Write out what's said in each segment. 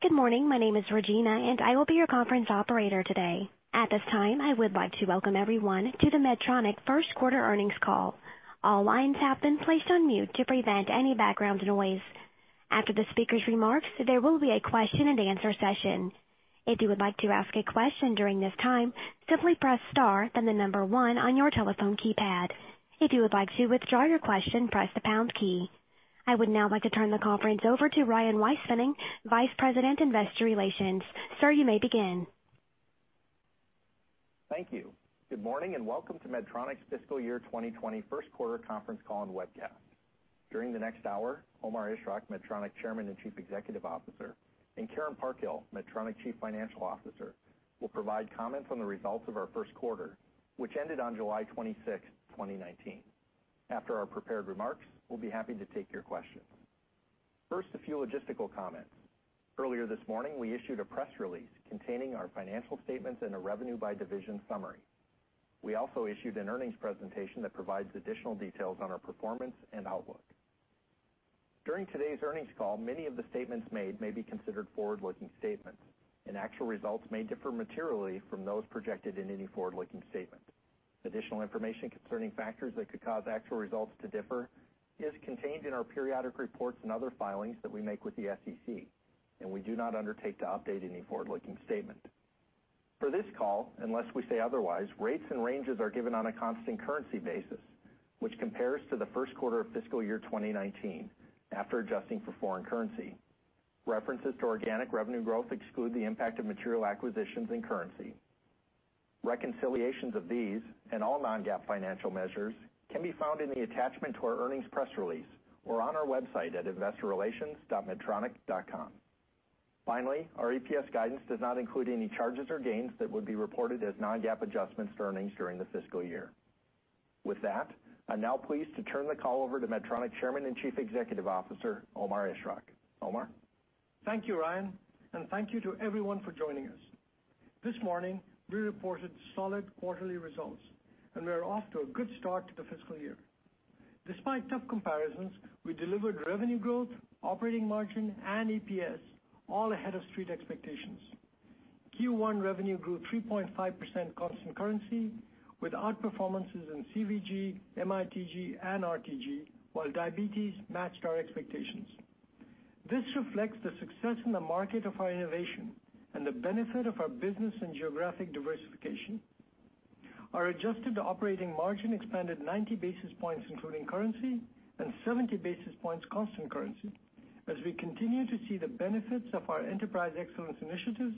Good morning. My name is Regina, and I will be your conference operator today. At this time, I would like to welcome everyone to the Medtronic first quarter earnings call. All lines have been placed on mute to prevent any background noise. After the speaker's remarks, there will be a question and answer session. If you would like to ask a question during this time, simply press star, then the number one on your telephone keypad. If you would like to withdraw your question, press the pound key. I would now like to turn the conference over to Ryan Weispfenning, Vice President, Investor Relations. Sir, you may begin. Thank you. Good morning and welcome to Medtronic's fiscal year 2020 first quarter conference call and webcast. During the next hour, Omar Ishrak, Medtronic Chairman and Chief Executive Officer, and Karen Parkhill, Medtronic Chief Financial Officer, will provide comments on the results of our first quarter, which ended on July 26, 2019. After our prepared remarks, we'll be happy to take your questions. First, a few logistical comments. Earlier this morning, we issued a press release containing our financial statements and a revenue by division summary. We also issued an earnings presentation that provides additional details on our performance and outlook. During today's earnings call, many of the statements made may be considered forward-looking statements, actual results may differ materially from those projected in any forward-looking statement. Additional information concerning factors that could cause actual results to differ is contained in our periodic reports and other filings that we make with the SEC, and we do not undertake to update any forward-looking statement. For this call, unless we say otherwise, rates and ranges are given on a constant currency basis, which compares to the first quarter of fiscal year 2019 after adjusting for foreign currency. References to organic revenue growth exclude the impact of material acquisitions and currency. Reconciliations of these and all non-GAAP financial measures can be found in the attachment to our earnings press release or on our website at investorrelations.medtronic.com. Finally, our EPS guidance does not include any charges or gains that would be reported as non-GAAP adjustments to earnings during the fiscal year. With that, I'm now pleased to turn the call over to Medtronic Chairman and Chief Executive Officer, Omar Ishrak. Omar? Thank you, Ryan, and thank you to everyone for joining us. This morning, we reported solid quarterly results, and we are off to a good start to the fiscal year. Despite tough comparisons, we delivered revenue growth, operating margin, and EPS all ahead of street expectations. Q1 revenue grew 3.5% constant currency with outperformances in CVG, MITG, and RTG, while diabetes matched our expectations. This reflects the success in the market of our innovation and the benefit of our business and geographic diversification. Our adjusted operating margin expanded 90 basis points including currency and 70 basis points constant currency as we continue to see the benefits of our Enterprise Excellence initiatives,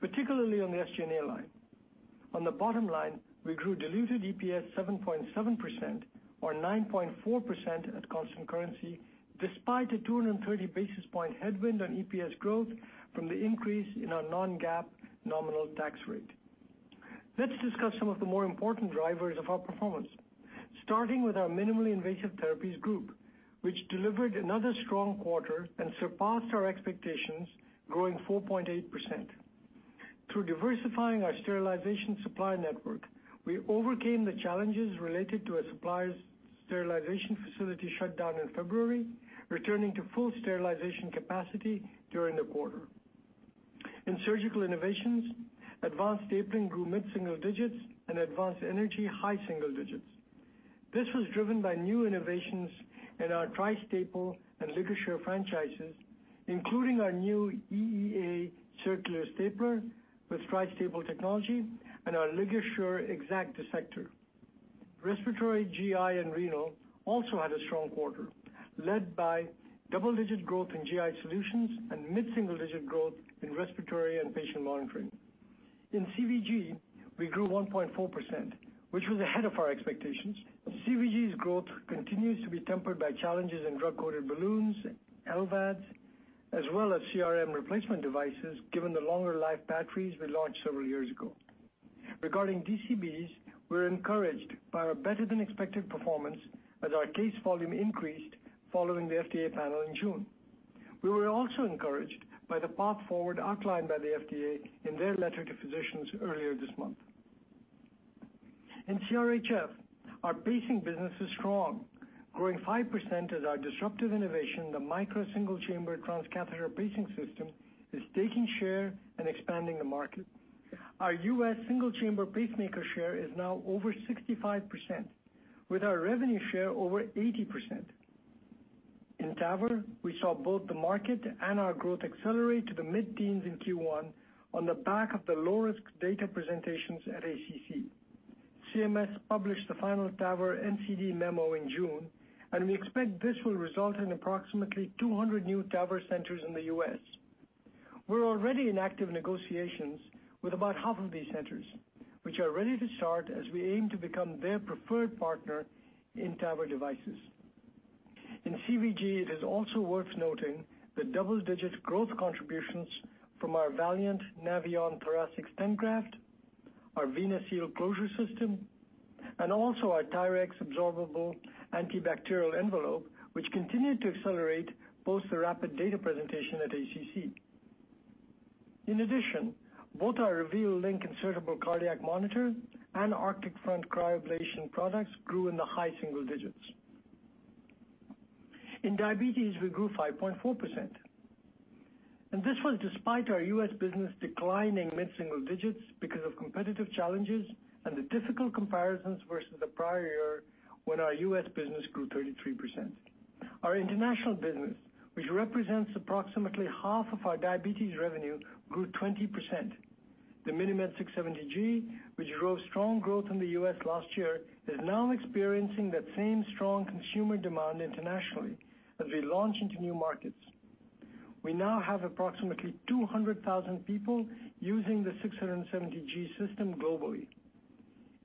particularly on the SG&A line. On the bottom line, we grew diluted EPS 7.7% or 9.4% at constant currency, despite a 230 basis point headwind on EPS growth from the increase in our non-GAAP nominal tax rate. Let's discuss some of the more important drivers of our performance, starting with our Minimally Invasive Therapies Group, which delivered another strong quarter and surpassed our expectations, growing 4.8%. Through diversifying our sterilization supply network, we overcame the challenges related to a supplier's sterilization facility shut down in February, returning to full sterilization capacity during the quarter. In surgical innovations, advanced stapling grew mid-single digits and advanced energy high single digits. This was driven by new innovations in our Tri-Staple and LigaSure franchises, including our new EEA circular stapler with Tri-Staple technology and our LigaSure Exact Dissector. Respiratory, GI, and renal also had a strong quarter, led by double-digit growth in GI solutions and mid-single-digit growth in respiratory and patient monitoring. In CVG, we grew 1.4%, which was ahead of our expectations. CVG's growth continues to be tempered by challenges in drug-coated balloons, LVADs, as well as CRM replacement devices, given the longer life batteries we launched several years ago. Regarding DCBs, we're encouraged by our better-than-expected performance as our case volume increased following the FDA panel in June. We were also encouraged by the path forward outlined by the FDA in their letter to physicians earlier this month. In CRHF, our pacing business is strong, growing 5% as our disruptive innovation, the Micra single-chamber transcatheter pacing system, is taking share and expanding the market. Our U.S. single-chamber pacemaker share is now over 65%, with our revenue share over 80%. In TAVR, we saw both the market and our growth accelerate to the mid-teens in Q1 on the back of the low-risk data presentations at ACC. CMS published the final TAVR NCD memo in June, and we expect this will result in approximately 200 new TAVR centers in the U.S. We're already in active negotiations with about half of these centers, which are ready to start as we aim to become their preferred partner in TAVR devices. In CVG, it is also worth noting the double-digit growth contributions from our Valiant Navion thoracic stent graft, our VenaSeal closure system, and also our TYRX absorbable antibacterial envelope, which continued to accelerate post the rapid data presentation at ACC. In addition, both our Reveal LINQ insertable cardiac monitor and Arctic Front cryoablation products grew in the high single digits. In diabetes, we grew 5.4%. This was despite our U.S. business declining mid-single digits because of competitive challenges and the difficult comparisons versus the prior year when our U.S. business grew 33%.Our international business, which represents approximately half of our diabetes revenue, grew 20%. The MiniMed 670G, which drove strong growth in the U.S. last year, is now experiencing that same strong consumer demand internationally as we launch into new markets. We now have approximately 200,000 people using the 670G system globally.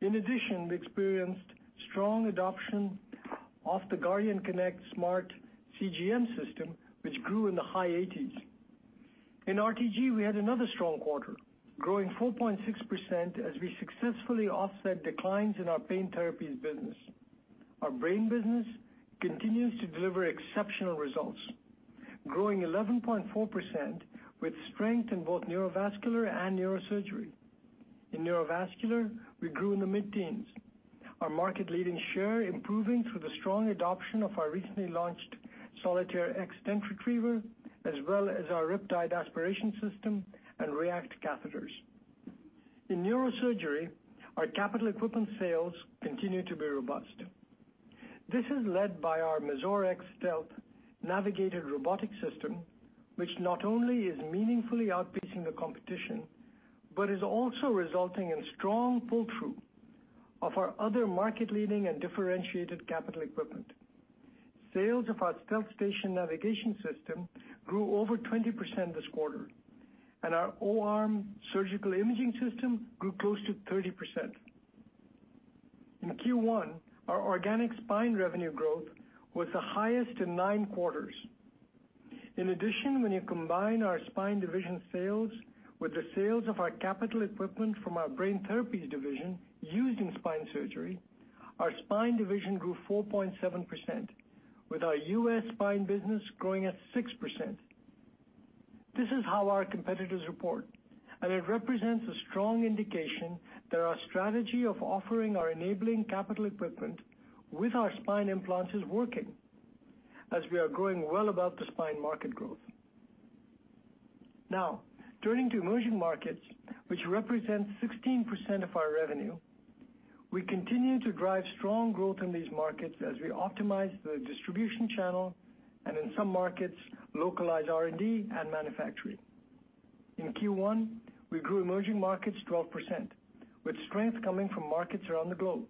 In addition, we experienced strong adoption of the Guardian Connect smart CGM system, which grew in the high 80s. In RTG, we had another strong quarter, growing 4.6% as we successfully offset declines in our Pain Therapies This is led by our Mazor X Stealth navigated robotic system, which not only is meaningfully outpacing the competition, but is also resulting in strong pull-through of our other market-leading and differentiated capital equipment. Sales of our StealthStation navigation system grew over 20% this quarter, and our O-Arm surgical imaging system grew close to 30%. In Q1, our organic spine revenue growth was the highest in nine quarters. In addition, when you combine our spine division sales with the sales of our capital equipment from our brain therapies division used in spine surgery, our spine division grew 4.7%, with our U.S. spine business growing at 6%. This is how our competitors report, and it represents a strong indication that our strategy of offering our enabling capital equipment with our spine implants is working as we are growing well above the spine market growth. Now, turning to emerging markets, which represent 16% of our revenue. We continue to drive strong growth in these markets as we optimize the distribution channel and in some markets, localize R&D and manufacturing. In Q1, we grew emerging markets 12%, with strength coming from markets around the globe.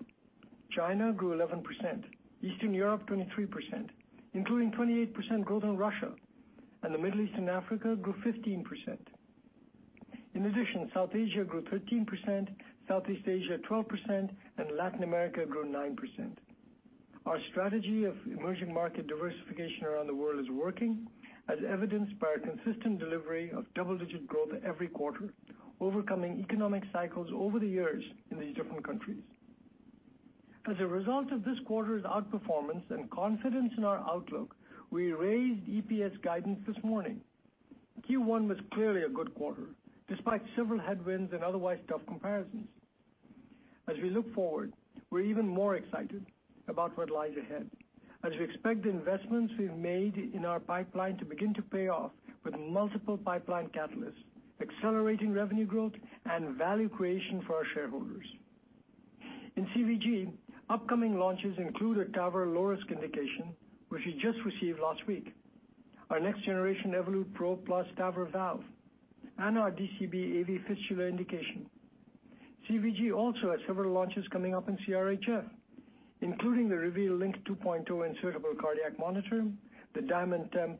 China grew 11%, Eastern Europe 23%, including 28% growth in Russia, and the Middle East and Africa grew 15%. In addition, South Asia grew 13%, Southeast Asia 12%, and Latin America grew 9%. Our strategy of emerging market diversification around the world is working, as evidenced by our consistent delivery of double-digit growth every quarter, overcoming economic cycles over the years in these different countries. As a result of this quarter's outperformance and confidence in our outlook, we raised EPS guidance this morning. Q1 was clearly a good quarter, despite several headwinds and otherwise tough comparisons. As we look forward, we're even more excited about what lies ahead as we expect the investments we've made in our pipeline to begin to pay off with multiple pipeline catalysts, accelerating revenue growth and value creation for our shareholders. In CVG, upcoming launches include a TAVR low-risk indication, which we just received last week, our next-generation Evolut PRO+ TAVR valve, and our DCB AV fistula indication. CVG also has several launches coming up in CRHF, including the Reveal LINQ 2.0 insertable cardiac monitor, the DiamondTemp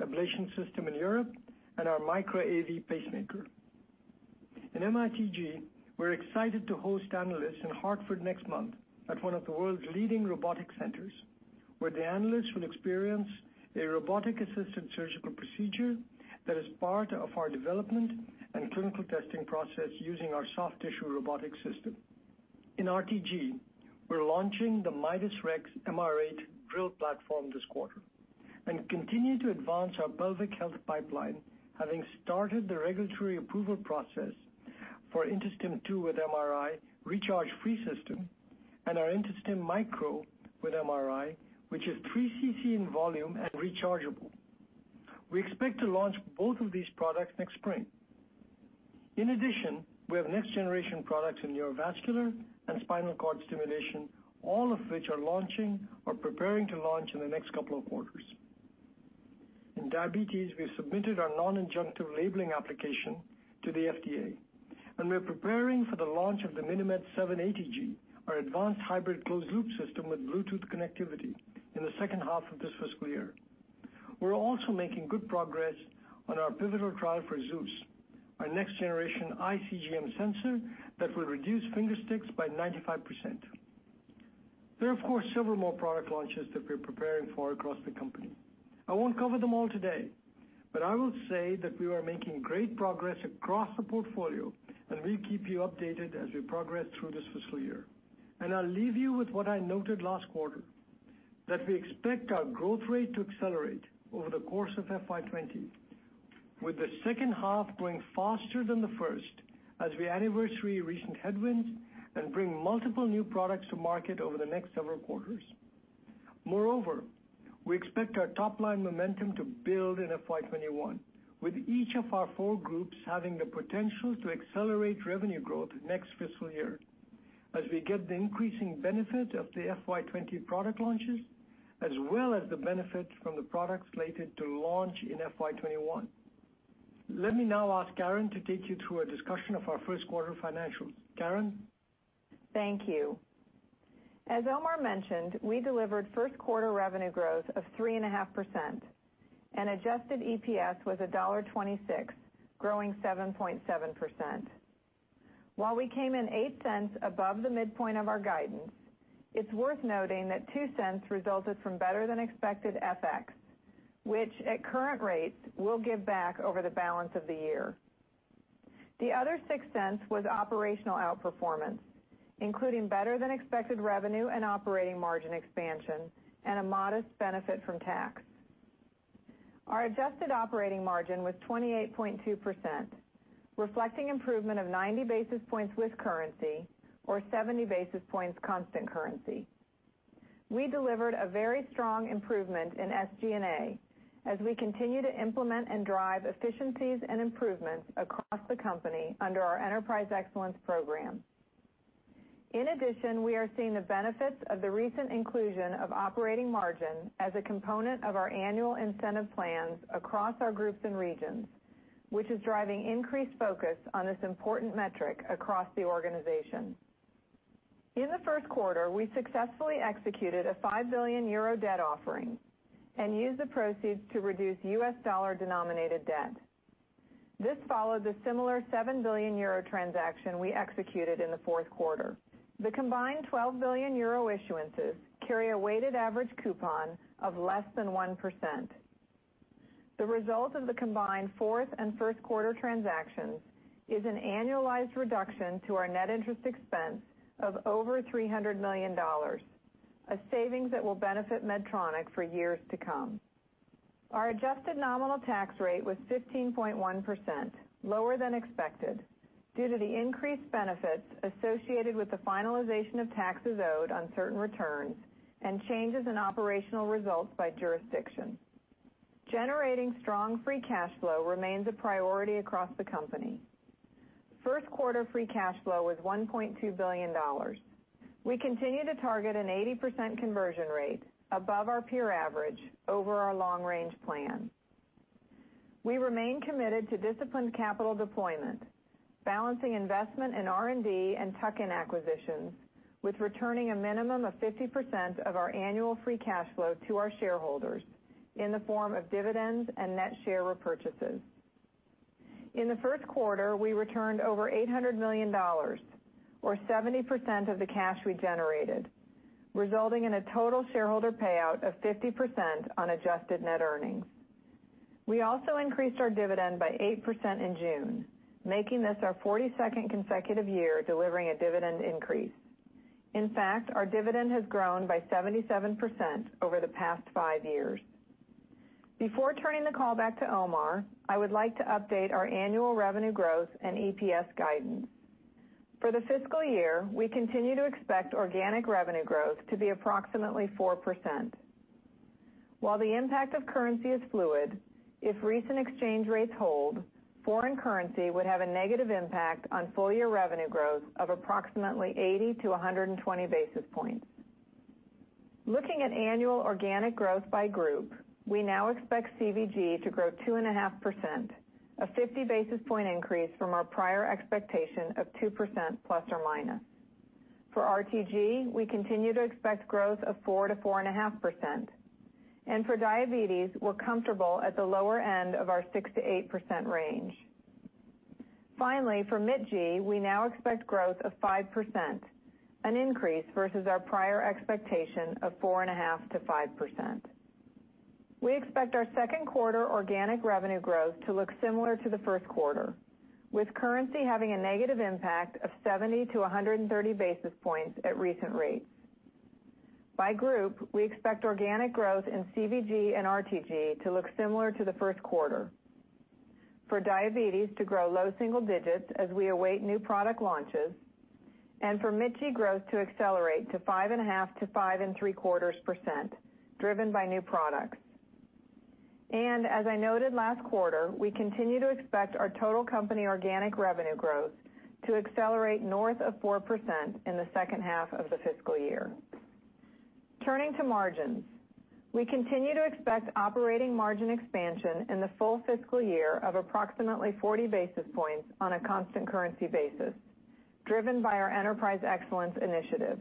ablation system in Europe, and our Micra AV pacemaker. In MITG, we're excited to host analysts in Hartford next month at one of the world's leading robotic centers, where the analysts will experience a robotic-assisted surgical procedure that is part of our development and clinical testing process using our soft tissue robotic system. In RTG, we're launching the Midas Rex MR8 drill platform this quarter and continue to advance our pelvic health pipeline, having started the regulatory approval process for InterStim II with MRI Recharge Free System and our InterStim Micro with MRI, which is three cc in volume and rechargeable. We expect to launch both of these products next spring. In addition, we have next-generation products in neurovascular and spinal cord stimulation, all of which are launching or preparing to launch in the next couple of quarters. In diabetes, we've submitted our non-injunctive labeling application to the FDA. We're preparing for the launch of the MiniMed 780G, our advanced hybrid closed-loop system with Bluetooth connectivity in the second half of this fiscal year. We're also making good progress on our pivotal trial for Zeus, our next-generation iCGM sensor that will reduce finger sticks by 95%. There are, of course, several more product launches that we're preparing for across the company. I won't cover them all today, but I will say that we are making great progress across the portfolio, and we'll keep you updated as we progress through this fiscal year. I'll leave you with what I noted last quarter: That we expect our growth rate to accelerate over the course of FY 2020, with the second half growing faster than the first as we anniversary recent headwinds and bring multiple new products to market over the next several quarters. Moreover, we expect our top-line momentum to build in FY 2021, with each of our four groups having the potential to accelerate revenue growth next fiscal year as we get the increasing benefit of the FY 2020 product launches, as well as the benefit from the products slated to launch in FY 2021. Let me now ask Karen to take you through a discussion of our first quarter financials. Karen? Thank you. As Omar mentioned, we delivered first quarter revenue growth of 3.5% and adjusted EPS was $1.26, growing 7.7%. While we came in $0.08 above the midpoint of our guidance, it's worth noting that $0.02 resulted from better than expected FX, which, at current rates, will give back over the balance of the year. The other $0.06 was operational outperformance, including better than expected revenue and operating margin expansion and a modest benefit from tax. Our adjusted operating margin was 28.2%, reflecting improvement of 90 basis points with currency or 70 basis points constant currency. We delivered a very strong improvement in SG&A as we continue to implement and drive efficiencies and improvements across the company under our Enterprise Excellence program. In addition, we are seeing the benefits of the recent inclusion of operating margin as a component of our annual incentive plans across our groups and regions, which is driving increased focus on this important metric across the organization. In the first quarter, we successfully executed a 5 billion euro debt offering and used the proceeds to reduce U.S. dollar-denominated debt. This followed the similar 7 billion euro transaction we executed in the fourth quarter. The combined 12 billion euro issuances carry a weighted average coupon of less than 1%. The result of the combined fourth and first quarter transactions is an annualized reduction to our net interest expense of over $300 million, a savings that will benefit Medtronic for years to come. Our adjusted nominal tax rate was 15.1%, lower than expected due to the increased benefits associated with the finalization of taxes owed on certain returns and changes in operational results by jurisdiction. Generating strong free cash flow remains a priority across the company. First quarter free cash flow was $1.2 billion. We continue to target an 80% conversion rate above our peer average over our long range plan. We remain committed to disciplined capital deployment, balancing investment in R&D and tuck-in acquisitions with returning a minimum of 50% of our annual free cash flow to our shareholders in the form of dividends and net share repurchases. In the first quarter, we returned over $800 million, or 70% of the cash we generated, resulting in a total shareholder payout of 50% on adjusted net earnings. We also increased our dividend by 8% in June, making this our 42nd consecutive year delivering a dividend increase. In fact, our dividend has grown by 77% over the past five years. Before turning the call back to Omar, I would like to update our annual revenue growth and EPS guidance. For the fiscal year, we continue to expect organic revenue growth to be approximately 4%. While the impact of currency is fluid, if recent exchange rates hold, foreign currency would have a negative impact on full year revenue growth of approximately 80-120 basis points. Looking at annual organic growth by group, we now expect CVG to grow 2.5%, a 50 basis point increase from our prior expectation of 2% plus or minus. For RTG, we continue to expect growth of 4%-4.5%. For diabetes, we're comfortable at the lower end of our 6%-8% range. For MITG, we now expect growth of 5%, an increase versus our prior expectation of 4.5%-5%. We expect our second quarter organic revenue growth to look similar to the first quarter, with currency having a negative impact of 70-130 basis points at recent rates. By group, we expect organic growth in CVG and RTG to look similar to the first quarter, for diabetes to grow low single digits as we await new product launches, and for MITG growth to accelerate to 5.5%-5.75%, driven by new products. As I noted last quarter, we continue to expect our total company organic revenue growth to accelerate north of 4% in the second half of the fiscal year. Turning to margins. We continue to expect operating margin expansion in the full fiscal year of approximately 40 basis points on a constant currency basis, driven by our Enterprise Excellence initiatives.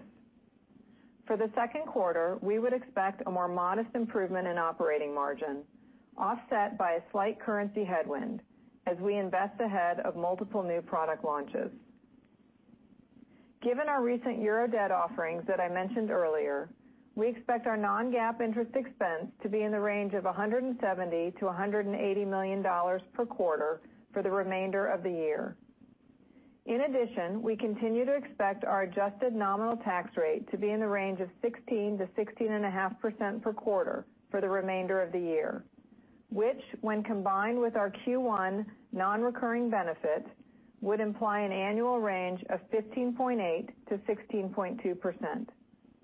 For the second quarter, we would expect a more modest improvement in operating margin offset by a slight currency headwind as we invest ahead of multiple new product launches. Given our recent EUR debt offerings that I mentioned earlier, we expect our non-GAAP interest expense to be in the range of $170 million-$180 million per quarter for the remainder of the year. In addition, we continue to expect our adjusted nominal tax rate to be in the range of 16%-16.5% per quarter for the remainder of the year, which when combined with our Q1 non-recurring benefit, would imply an annual range of 15.8%-16.2%.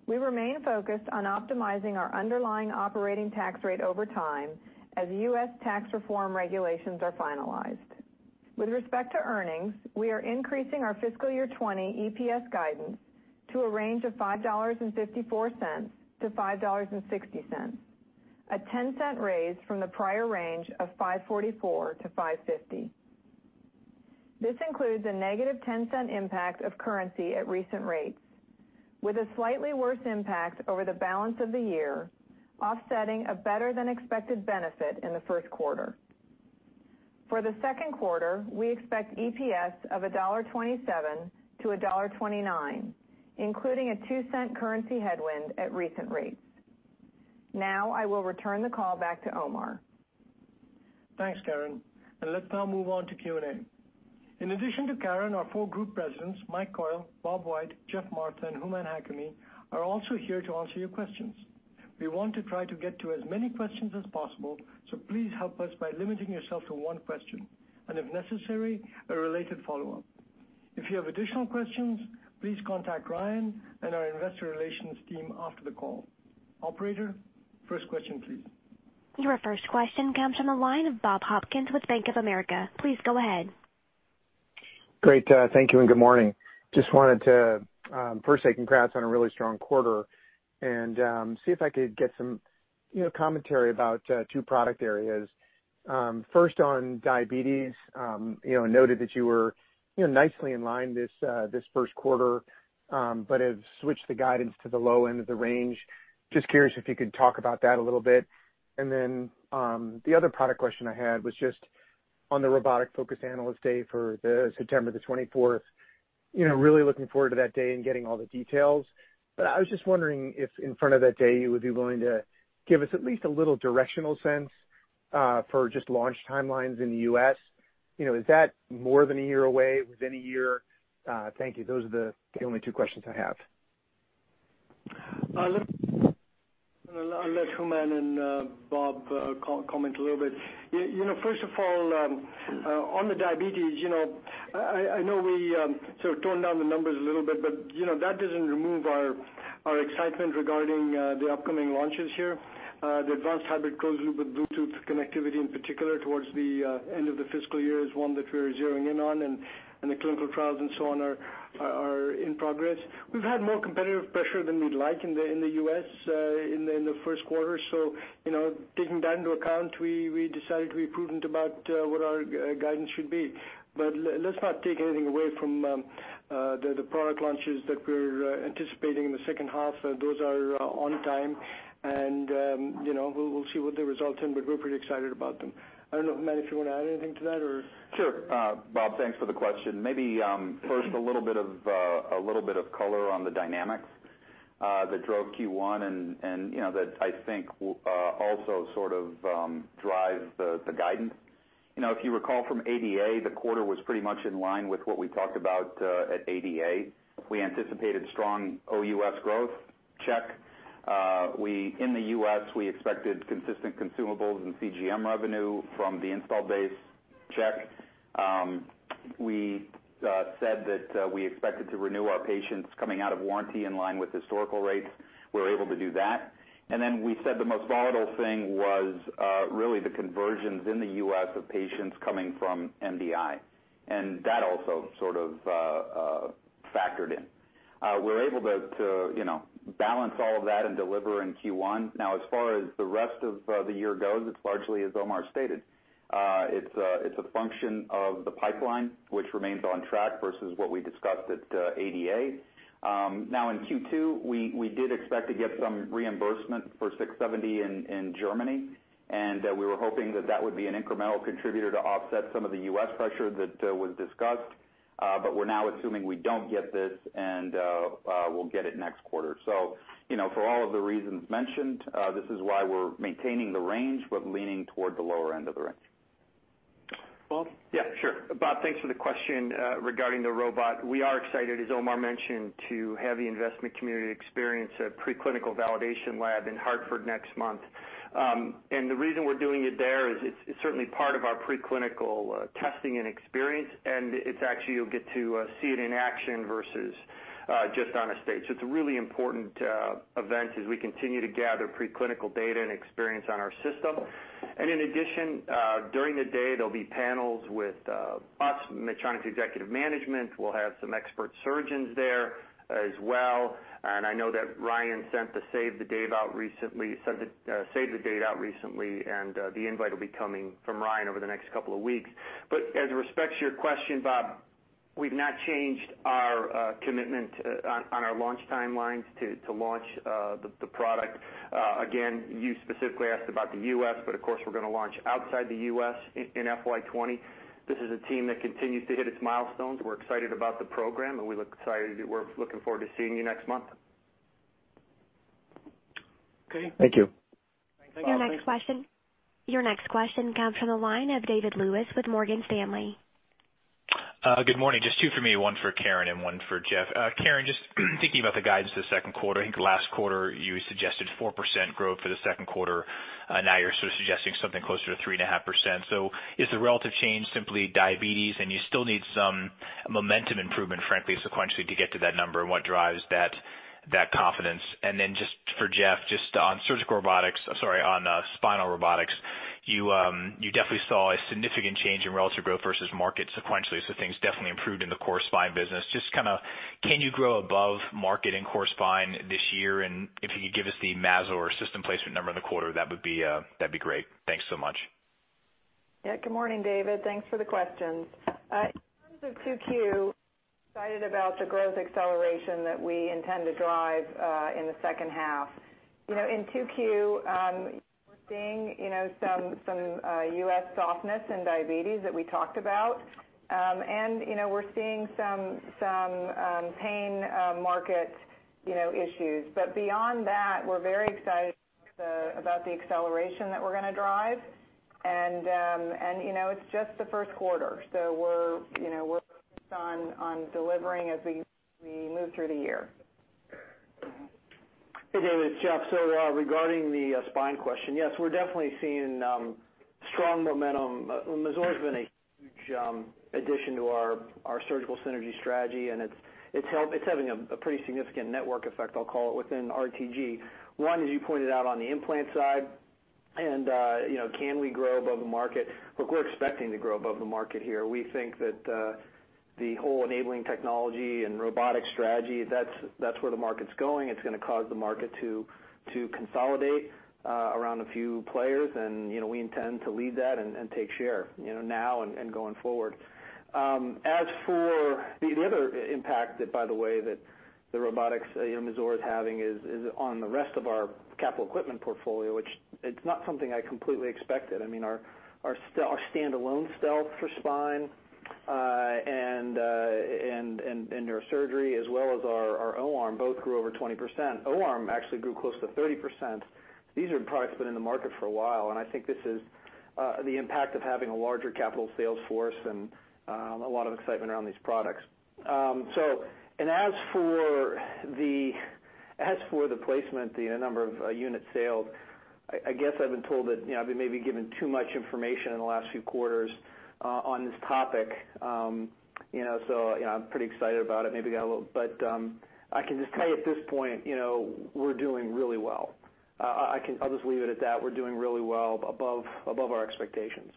We remain focused on optimizing our underlying operating tax rate over time as U.S. tax reform regulations are finalized. With respect to earnings, we are increasing our fiscal year 2020 EPS guidance to a range of $5.54-$5.60, a $0.10 raise from the prior range of $5.44-$5.50. This includes a negative $0.10 impact of currency at recent rates, with a slightly worse impact over the balance of the year, offsetting a better than expected benefit in the first quarter. For the second quarter, we expect EPS of $1.27-$1.29, including a $0.02 currency headwind at recent rates. Now I will return the call back to Omar. Thanks, Karen. Let's now move on to Q&A. In addition to Karen, our four group presidents, Mike Coyle, Bob White, Geoff Martha, and Hooman Hakami, are also here to answer your questions. We want to try to get to as many questions as possible, so please help us by limiting yourself to one question, and if necessary, a related follow-up. If you have additional questions, please contact Ryan and our investor relations team after the call. Operator, first question, please. Your first question comes from the line of Bob Hopkins with Bank of America. Please go ahead. Great. Thank you and good morning. Just wanted to first say congrats on a really strong quarter and see if I could get some commentary about two product areas. First, on diabetes. I noted that you were nicely in line this first quarter, have switched the guidance to the low end of the range. Just curious if you could talk about that a little bit. The other product question I had was just on the robotic-focused analyst day for September 24th. Really looking forward to that day and getting all the details. I was just wondering if in front of that day, you would be willing to give us at least a little directional sense for just launch timelines in the U.S. Is that more than a year away? Within a year? Thank you. Those are the only two questions I have. I'll let Hooman and Bob comment a little bit. First of all, on the diabetes, I know we sort of toned down the numbers a little bit, but that doesn't remove our excitement regarding the upcoming launches here. The advanced hybrid closed loop with Bluetooth connectivity in particular towards the end of the fiscal year is one that we're zeroing in on, and the clinical trials and so on are in progress. We've had more competitive pressure than we'd like in the U.S. in the first quarter. Taking that into account, we decided to be prudent about what our guidance should be. Let's not take anything away from the product launches that we're anticipating in the second half. Those are on time, and we'll see what they result in, but we're pretty excited about them. I don't know, Hooman, if you want to add anything to that or. Sure. Bob, thanks for the question. Maybe first a little bit of color on the dynamics that drove Q1 and that I think also sort of drive the guidance. If you recall from ADA, the quarter was pretty much in line with what we talked about at ADA. We anticipated strong OUS growth. Check. In the U.S., we expected consistent consumables and CGM revenue from the install base. Check. We said that we expected to renew our patients coming out of warranty in line with historical rates. We were able to do that. We said the most volatile thing was really the conversions in the U.S. of patients coming from MDI, and that also sort of factored in. We're able to balance all of that and deliver in Q1. As far as the rest of the year goes, it's largely as Omar stated. It's a function of the pipeline, which remains on track versus what we discussed at ADA. In Q2, we did expect to get some reimbursement for 670 in Germany, and we were hoping that that would be an incremental contributor to offset some of the U.S. pressure that was discussed. We're now assuming we don't get this, and we'll get it next quarter. For all of the reasons mentioned, this is why we're maintaining the range, but leaning toward the lower end of the range. Bob? Yeah, sure. Bob, thanks for the question regarding the robot. We are excited, as Omar mentioned, to have the investment community experience a pre-clinical validation lab in Hartford next month. The reason we're doing it there is it's certainly part of our pre-clinical testing and experience, and it's actually you'll get to see it in action versus just on a stage. It's a really important event as we continue to gather pre-clinical data and experience on our system. In addition, during the day, there'll be panels with us, Medtronic executive management. We'll have some expert surgeons there as well. I know that Ryan sent the save the date out recently, and the invite will be coming from Ryan over the next couple of weeks. As it respects to your question, Bob, we've not changed our commitment on our launch timelines to launch the product. You specifically asked about the U.S., of course, we're going to launch outside the U.S. in FY 2020. This is a team that continues to hit its milestones. We're excited about the program, we're looking forward to seeing you next month. Okay. Thank you. Your next question comes from the line of David Lewis with Morgan Stanley. Good morning. Just two for me, one for Karen and one for Geoff. Karen, just thinking about the guidance this second quarter. I think last quarter you suggested 4% growth for the second quarter. Now you're sort of suggesting something closer to 3.5%. Is the relative change simply diabetes and you still need some momentum improvement, frankly, sequentially to get to that number? What drives that confidence? Just for Geoff, just on surgical robotics, sorry, on spinal robotics, you definitely saw a significant change in relative growth versus market sequentially. Things definitely improved in the core spine business. Just kind of, can you grow above market and core spine this year? If you could give us the Mazor system placement number in the quarter, that'd be great. Thanks so much. Yeah, good morning, David. Thanks for the questions. In terms of 2Q, excited about the growth acceleration that we intend to drive in the second half. In 2Q, we're seeing some U.S. softness in diabetes that we talked about. We're seeing some pain market issues. Beyond that, we're very excited about the acceleration that we're going to drive. It's just the first quarter. We're focused on delivering as we move through the year. Hey, David, it's Geoff. Regarding the spine question, yes, we're definitely seeing strong momentum. Mazor's been a huge addition to our surgical synergy strategy, and it's having a pretty significant network effect, I'll call it, within RTG. One, as you pointed out on the implant side and can we grow above the market? Look, we're expecting to grow above the market here. We think that the whole enabling technology and robotics strategy, that's where the market's going. It's going to cause the market to consolidate around a few players, and we intend to lead that and take share now and going forward. As for the other impact, by the way, that the robotics Mazor's having is on the rest of our capital equipment portfolio, which it's not something I completely expected. I mean, our standalone StealthStation for spine, and neurosurgery, as well as our O-arm, both grew over 20%. O-arm actually grew close to 30%. These are products that have been in the market for a while, and I think this is the impact of having a larger capital sales force and a lot of excitement around these products. As for the placement, the number of units sold, I guess I've been told that I've been maybe given too much information in the last few quarters on this topic. I'm pretty excited about it. I can just tell you at this point, we're doing really well. I'll just leave it at that. We're doing really well above our expectations.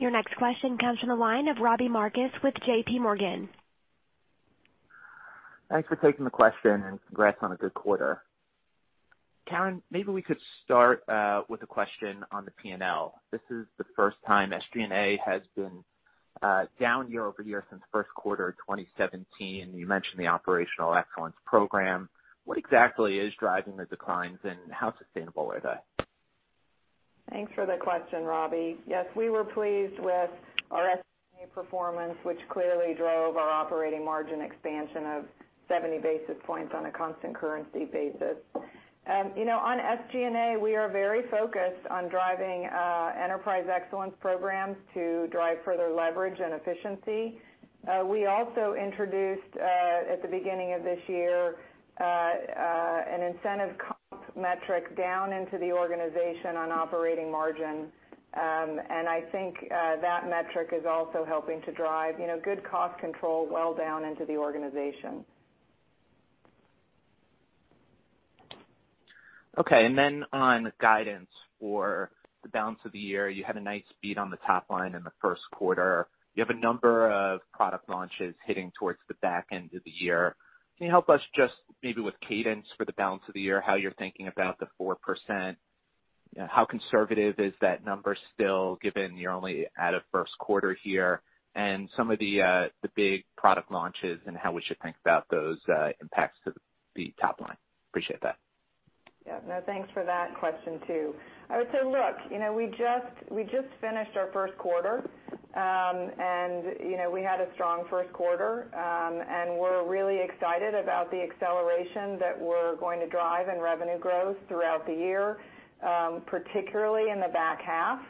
Your next question comes from the line of Robbie Marcus with JPMorgan. Thanks for taking the question and congrats on a good quarter. Karen, maybe we could start with a question on the P&L. This is the first time SG&A has been down year-over-year since first quarter 2017. You mentioned the Enterprise Excellence program. What exactly is driving the declines, and how sustainable are they? Thanks for the question, Robbie. Yes, we were pleased with our SG&A performance, which clearly drove our operating margin expansion of 70 basis points on a constant currency basis. On SG&A, we are very focused on driving Enterprise Excellence programs to drive further leverage and efficiency. We also introduced, at the beginning of this year, an incentive comp metric down into the organization on operating margin. I think that metric is also helping to drive good cost control well down into the organization. Okay, on the guidance for the balance of the year, you had a nice beat on the top line in the first quarter. You have a number of product launches hitting towards the back end of the year. Can you help us just maybe with cadence for the balance of the year, how you're thinking about the 4%? How conservative is that number still given you're only at a first quarter here and some of the big product launches and how we should think about those impacts to the top line? Appreciate that. Yeah. No, thanks for that question, too. I would say, look, we just finished our first quarter. We had a strong first quarter. We're really excited about the acceleration that we're going to drive in revenue growth throughout the year, particularly in the back half.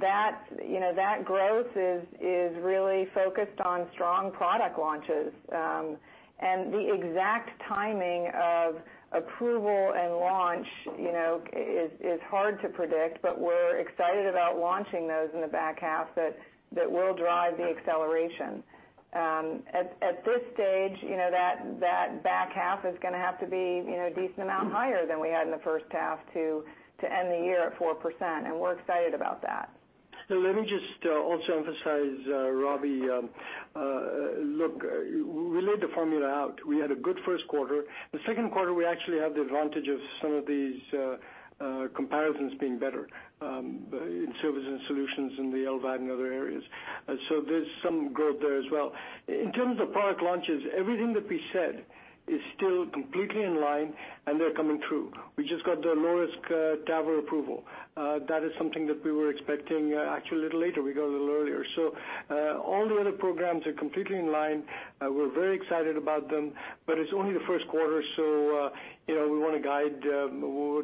That growth is really focused on strong product launches. The exact timing of approval and launch is hard to predict, but we're excited about launching those in the back half that will drive the acceleration. At this stage, that back half is going to have to be a decent amount higher than we had in the first half to end the year at 4%. We're excited about that. Let me just also emphasize, Robbie. Look, we laid the formula out. We had a good first quarter. The second quarter, we actually have the advantage of some of these comparisons being better, in service and solutions in the LVAD and other areas. There's some growth there as well. In terms of product launches, everything that we said is still. Completely in line, and they're coming through. We just got the low-risk TAVR approval. That is something that we were expecting, actually, a little later. We got a little earlier. All the other programs are completely in line. We're very excited about them, but it's only the first quarter, so we won't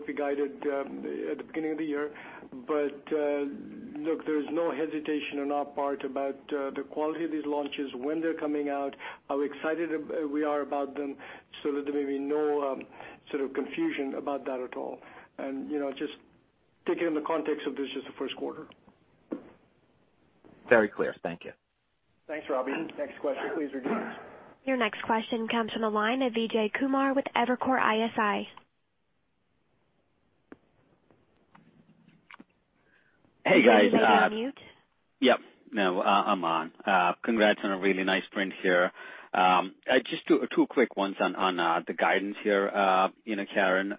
be guided at the beginning of the year. Look, there's no hesitation on our part about the quality of these launches, when they're coming out, how excited we are about them, so that there may be no sort of confusion about that at all. Just take it in the context of this is the first quarter. Very clear. Thank you. Thanks, Robbie. Next question, please proceed. Your next question comes from the line of Vijay Kumar with Evercore ISI. Hey, guys. Vijay, you're on mute. Yep. No, I'm on. Congrats on a really nice print here. Just two quick ones on the guidance here, Karen.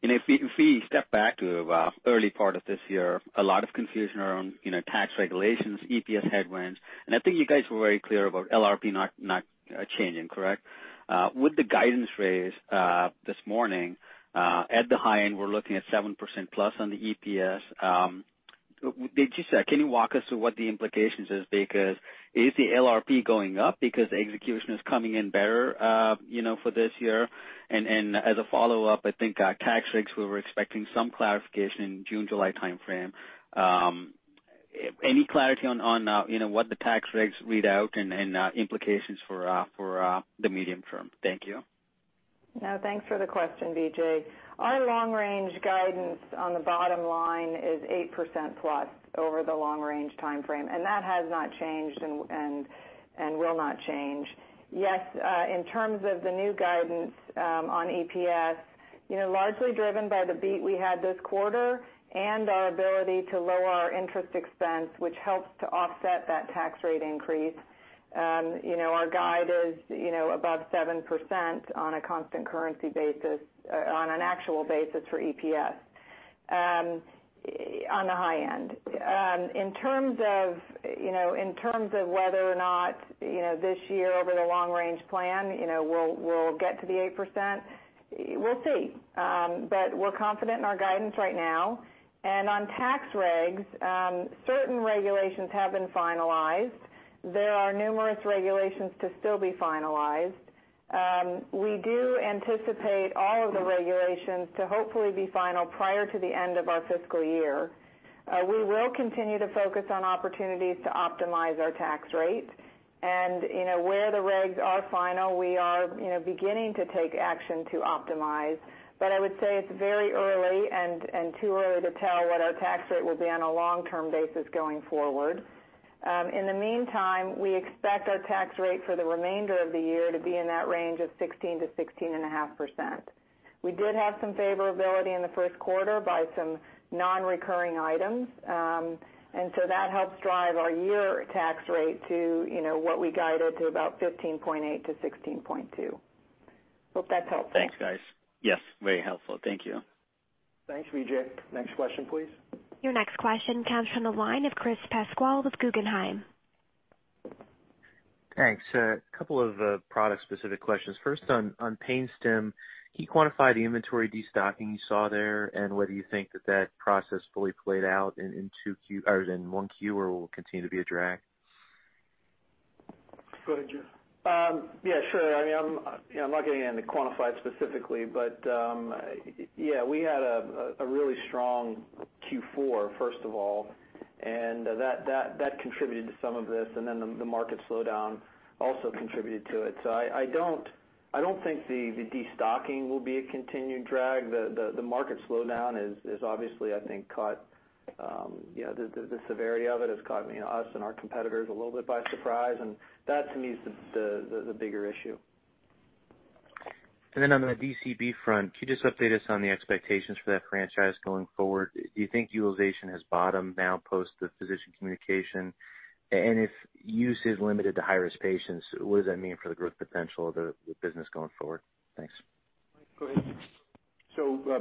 If we step back to early part of this year, a lot of confusion around tax regulations, EPS headwinds, and I think you guys were very clear about LRP not changing. Correct? With the guidance raise this morning, at the high end, we're looking at 7% plus on the EPS. Can you walk us through what the implications is, because is the LRP going up because execution is coming in better for this year? As a follow-up, I think tax regs, we were expecting some clarification June, July timeframe. Any clarity on what the tax regs read out and implications for the medium term? Thank you. No, thanks for the question, Vijay. Our long-range guidance on the bottom line is 8%+ over the long-range timeframe, and that has not changed and will not change. Yes, in terms of the new guidance on EPS, largely driven by the beat we had this quarter and our ability to lower our interest expense, which helps to offset that tax rate increase. Our guide is above 7% on a constant currency basis, on an actual basis for EPS, on the high end. In terms of whether or not this year over the long-range plan, we'll get to the 8%, we'll see. We're confident in our guidance right now. On tax regs, certain regulations have been finalized. There are numerous regulations to still be finalized. We do anticipate all of the regulations to hopefully be final prior to the end of our fiscal year. We will continue to focus on opportunities to optimize our tax rate. Where the regs are final, we are beginning to take action to optimize. I would say it's very early and too early to tell what our tax rate will be on a long-term basis going forward. In the meantime, we expect our tax rate for the remainder of the year to be in that range of 16%-16.5%. We did have some favorability in the first quarter by some non-recurring items. That helps drive our year tax rate to what we guided to about 15.8%-16.2%. Hope that's helpful. Thanks, guys. Yes, very helpful. Thank you. Thanks, Vijay. Next question, please. Your next question comes from the line of Chris Pasquale with Guggenheim. Thanks. A couple of product-specific questions. First, on Pain Stim, can you quantify the inventory destocking you saw there, and whether you think that that process fully played out in 1Q, or will it continue to be a drag? Go ahead, Geoff. Yeah, sure. I'm not going to quantify it specifically, but yeah, we had a really strong Q4, first of all, and that contributed to some of this, and then the market slowdown also contributed to it. I don't think the destocking will be a continued drag. The market slowdown has obviously, I think, caught the severity of it, has caught us and our competitors a little bit by surprise, and that, to me, is the bigger issue. On the DCB front, can you just update us on the expectations for that franchise going forward? Do you think utilization has bottomed now, post the physician communication? If use is limited to high-risk patients, what does that mean for the growth potential of the business going forward? Thanks. Mike, go ahead.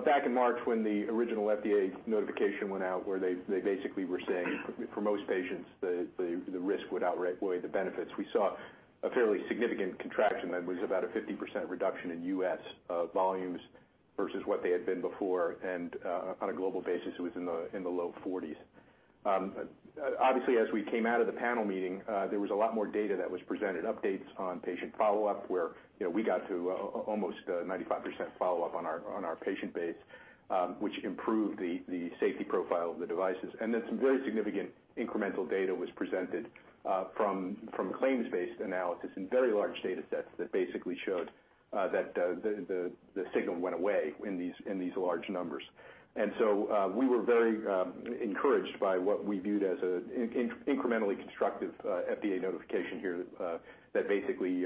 Back in March, when the original FDA notification went out, where they basically were saying for most patients, the risk would outweigh the benefits. We saw a fairly significant contraction that was about a 50% reduction in U.S. volumes versus what they had been before, and on a global basis, it was in the low 40s. Obviously, as we came out of the panel meeting, there was a lot more data that was presented. Updates on patient follow-up, where we got to almost 95% follow-up on our patient base, which improved the safety profile of the devices. Some very significant incremental data was presented from claims-based analysis and very large data sets that basically showed that the signal went away in these large numbers. We were very encouraged by what we viewed as an incrementally constructive FDA notification here that basically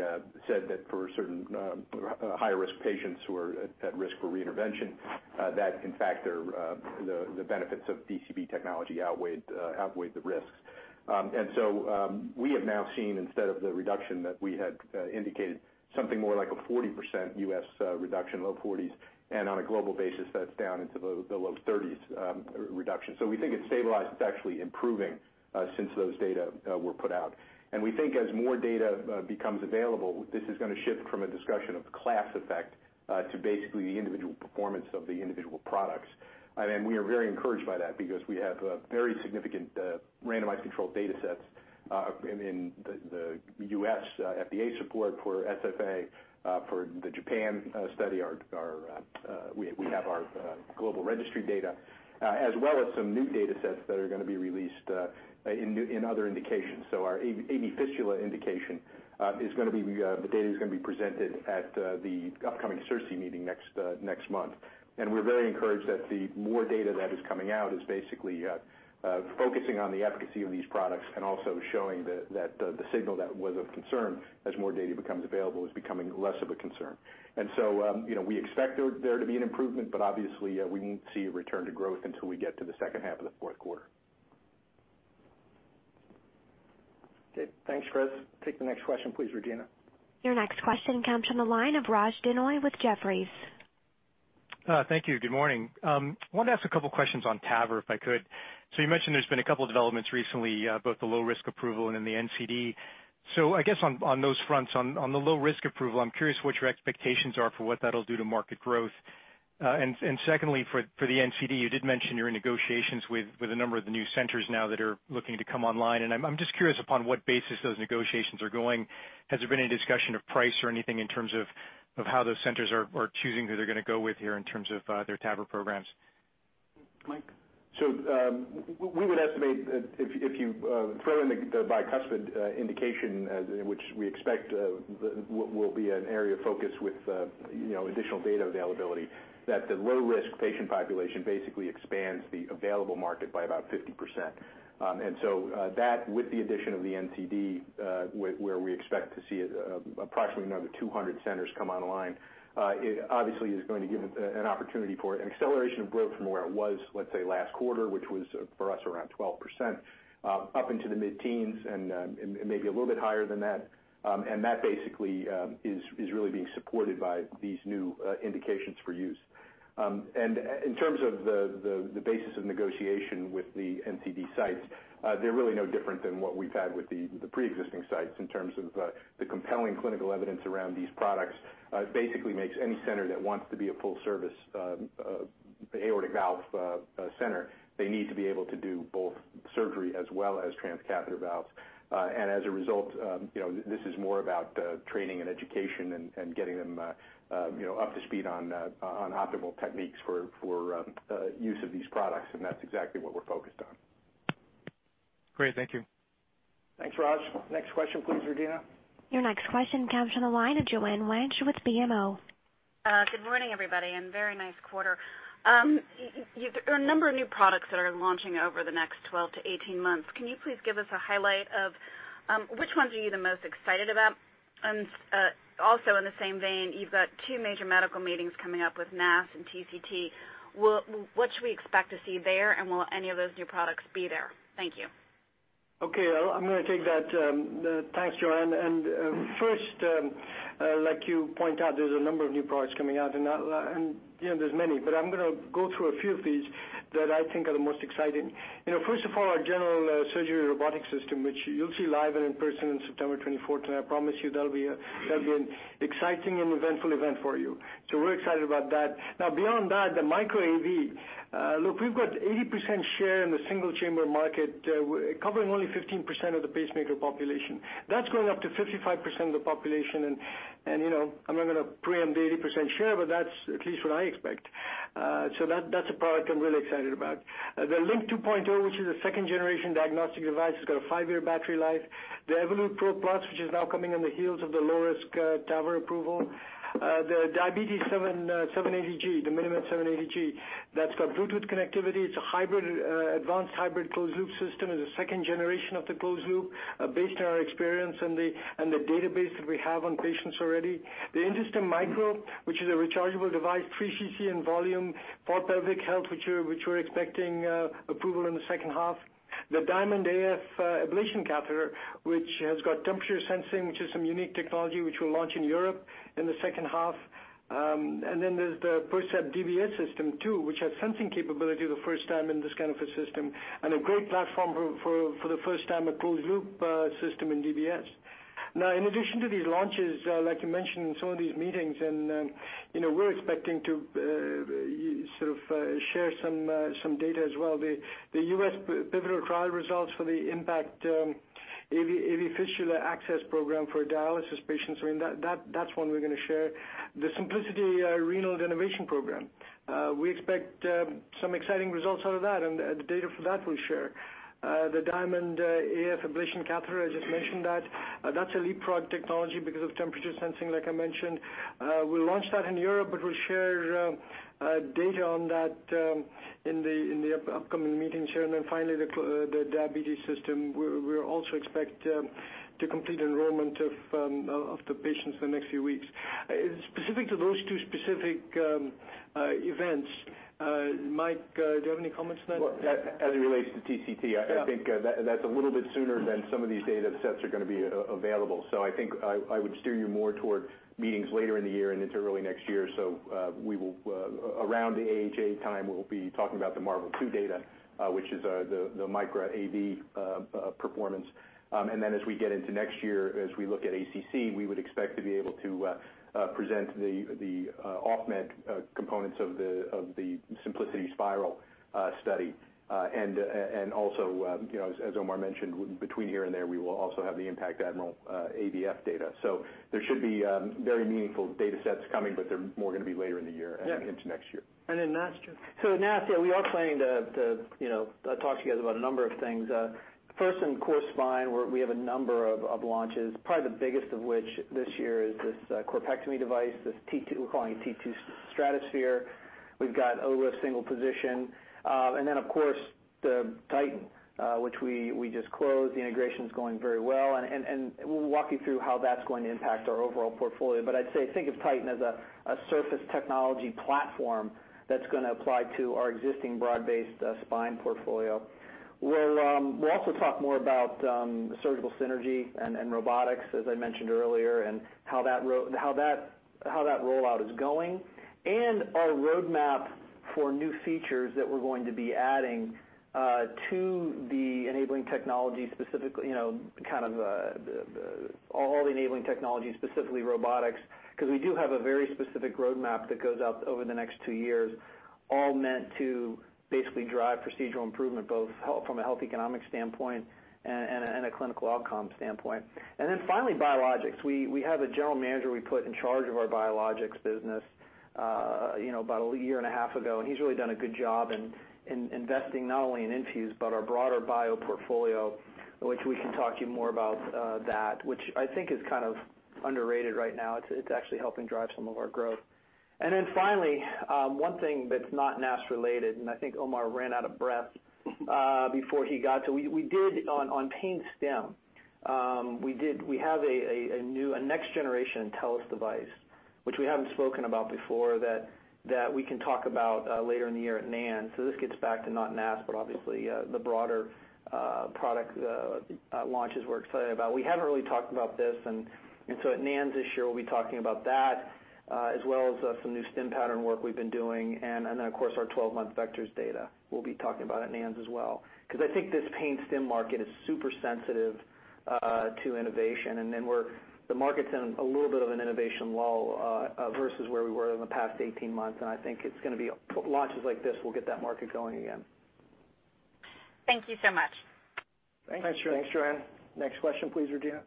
said that for certain high-risk patients who are at risk for reintervention, that in fact the benefits of DCB technology outweighed the risks. We have now seen, instead of the reduction that we had indicated, something more like a 40% U.S. reduction, low 40s, and on a global basis, that's down into the low 30s reduction. We think it's stabilized. It's actually improving since those data were put out. We think as more data becomes available, this is going to shift from a discussion of class effect, to basically the individual performance of the individual products. We are very encouraged by that because we have very significant randomized controlled data sets, in the U.S. FDA support for SFA, for the Japan study, we have our global registry data, as well as some new data sets that are going to be released in other indications. Our AV fistula indication, the data is going to be presented at the upcoming CIRSE meeting next month. We are very encouraged that the more data that is coming out is basically focusing on the efficacy of these products and also showing that the signal that was of concern as more data becomes available is becoming less of a concern. We expect there to be an improvement, but obviously we won't see a return to growth until we get to the second half of the fourth quarter. Okay, thanks, Chris. Take the next question, please, Regina. Your next question comes from the line of Raj Denhoy with Jefferies. Thank you. Good morning. I wanted to ask a couple questions on TAVR if I could. You mentioned there's been a couple developments recently, both the low-risk approval and then the NCD. I guess on those fronts, on the low-risk approval, I'm curious what your expectations are for what that'll do to market growth. Secondly, for the NCD, you did mention you're in negotiations with a number of the new centers now that are looking to come online, and I'm just curious upon what basis those negotiations are going. Has there been any discussion of price or anything in terms of how those centers are choosing who they're going to go with here in terms of their TAVR programs? Mike? We would estimate that if you throw in the bicuspid indication, which we expect will be an area of focus with additional data availability, that the low-risk patient population basically expands the available market by about 50%. That with the addition of the NCD, where we expect to see approximately another 200 centers come online, it obviously is going to give an opportunity for an acceleration of growth from where it was, let's say, last quarter, which was for us around 12%, up into the mid-teens and maybe a little bit higher than that. That basically is really being supported by these new indications for use. In terms of the basis of negotiation with the NCD sites, they're really no different than what we've had with the preexisting sites in terms of the compelling clinical evidence around these products. It basically makes any center that wants to be a full-service aortic valve center, they need to be able to do both surgery as well as transcatheter valves. As a result, this is more about training and education and getting them up to speed on optimal techniques for use of these products, and that's exactly what we're focused on. Great. Thank you. Thanks, Raj. Next question, please, Regina. Your next question comes from the line of Joanne Wuensch with BMO. Good morning, everybody, and very nice quarter. There are a number of new products that are launching over the next 12 to 18 months. Can you please give us a highlight of which ones are you the most excited about? Also in the same vein, you've got two major medical meetings coming up with NASS and TCT. What should we expect to see there, and will any of those new products be there? Thank you. Okay, I'm going to take that. Thanks, Joanne. First, like you point out, there's a number of new products coming out and there's many, but I'm going to go through a few of these that I think are the most exciting. First of all, our general surgery robotics system, which you'll see live and in person in September 24th. I promise you that'll be an exciting and eventful event for you. We're excited about that. Now beyond that, the Micra AV. Look, we've got 80% share in the single-chamber market, covering only 15% of the pacemaker population. That's going up to 55% of the population, and I'm not going to preempt the 80% share, but that's at least what I expect. That's a product I'm really excited about. The LINQ 2.0, which is a second-generation diagnostic device, has got a five-year battery life. The Evolut PRO+ which is now coming on the heels of the low-risk TAVR approval. The diabetes MiniMed 780G, that's got Bluetooth connectivity. It's an advanced hybrid closed-loop system as a second generation of the closed loop based on our experience and the database that we have on patients already. The InterStim Micro, which is a rechargeable device, 3 cc in volume for public health, which we're expecting approval in the second half. The DiamondTemp ablation catheter, which has got temperature sensing, which is some unique technology which we'll launch in Europe in the second half. There's the Percept PC system too, which has sensing capability the first time in this kind of a system, and a great platform for the first time a closed loop system in DBS. In addition to these launches, like you mentioned, some of these meetings and we're expecting to sort of share some data as well. The U.S. pivotal trial results for the IN.PACT AV fistula access program for dialysis patients. I mean, that's one we're going to share. The Symplicity renal denervation program. We expect some exciting results out of that, and the data for that we'll share. The DiamondTemp AF ablation catheter, I just mentioned that. That's a leapfrog technology because of temperature sensing, like I mentioned. We launched that in Europe, but we'll share data on that in the upcoming meetings here. Finally, the diabetes system. We also expect to complete enrollment of the patients in the next few weeks. Specific to those two specific events, Mike, do you have any comments on that? Well, as it relates to TCT, I think that's a little bit sooner than some of these data sets are going to be available. I think I would steer you more towards meetings later in the year and into early next year. Around the AHA time, we'll be talking about the MARVEL 2 data, which is the Micra AV performance. As we get into next year, as we look at ACC, we would expect to be able to present the off-med components of the Symplicity SPYRAL study. As Omar mentioned, between here and there, we will also have the IN.PACT Admiral AVF data. There should be very meaningful data sets coming, but they're more going to be later in the year and into next year. NASS, Geoff. NASS, yeah, we are planning to talk to you guys about a number of things. First, in CoreSpine, we have a number of launches, probably the biggest of which this year is this corpectomy device, we're calling it T2 STRATOSPHERE. We've got OLIF Single Position. Then of course, the Titan, which we just closed. The integration's going very well. We'll walk you through how that's going to impact our overall portfolio. I'd say, think of Titan as a surface technology platform that's going to apply to our existing broad-based spine portfolio. We'll also talk more about surgical synergy and robotics, as I mentioned earlier, and how that rollout is going. Our roadmap for new features that we're going to be adding to the enabling technology, specifically kind of all the enabling technology, specifically robotics, because we do have a very specific roadmap that goes out over the next two years, all meant to basically drive procedural improvement, both from a health economic standpoint and a clinical outcome standpoint. Finally, biologics. We have a general manager we put in charge of our biologics business about a year and a half ago, and he's really done a good job in investing not only in INFUSE, but our broader bio portfolio, which we can talk to you more about that, which I think is kind of underrated right now. It's actually helping drive some of our growth. Finally, one thing that's not NASS related, and I think Omar ran out of breath before he got to. We did on Pain Stim, we have a next generation Intellis device, which we haven't spoken about before, that we can talk about later in the year at NANS. This gets back to not NASS, but obviously the broader product launches we're excited about. We haven't really talked about this, at NANS this year, we'll be talking about that as well as some new stim pattern work we've been doing. Of course, our 12-month Vectris data we'll be talking about at NANS as well. Because I think this Pain Stim market is super sensitive to innovation. The market's in a little bit of an innovation lull versus where we were in the past 18 months. I think it's going to be launches like this will get that market going again. Thank you so much. Thanks, Joanne. Thanks, Joanne. Next question, please, Regina.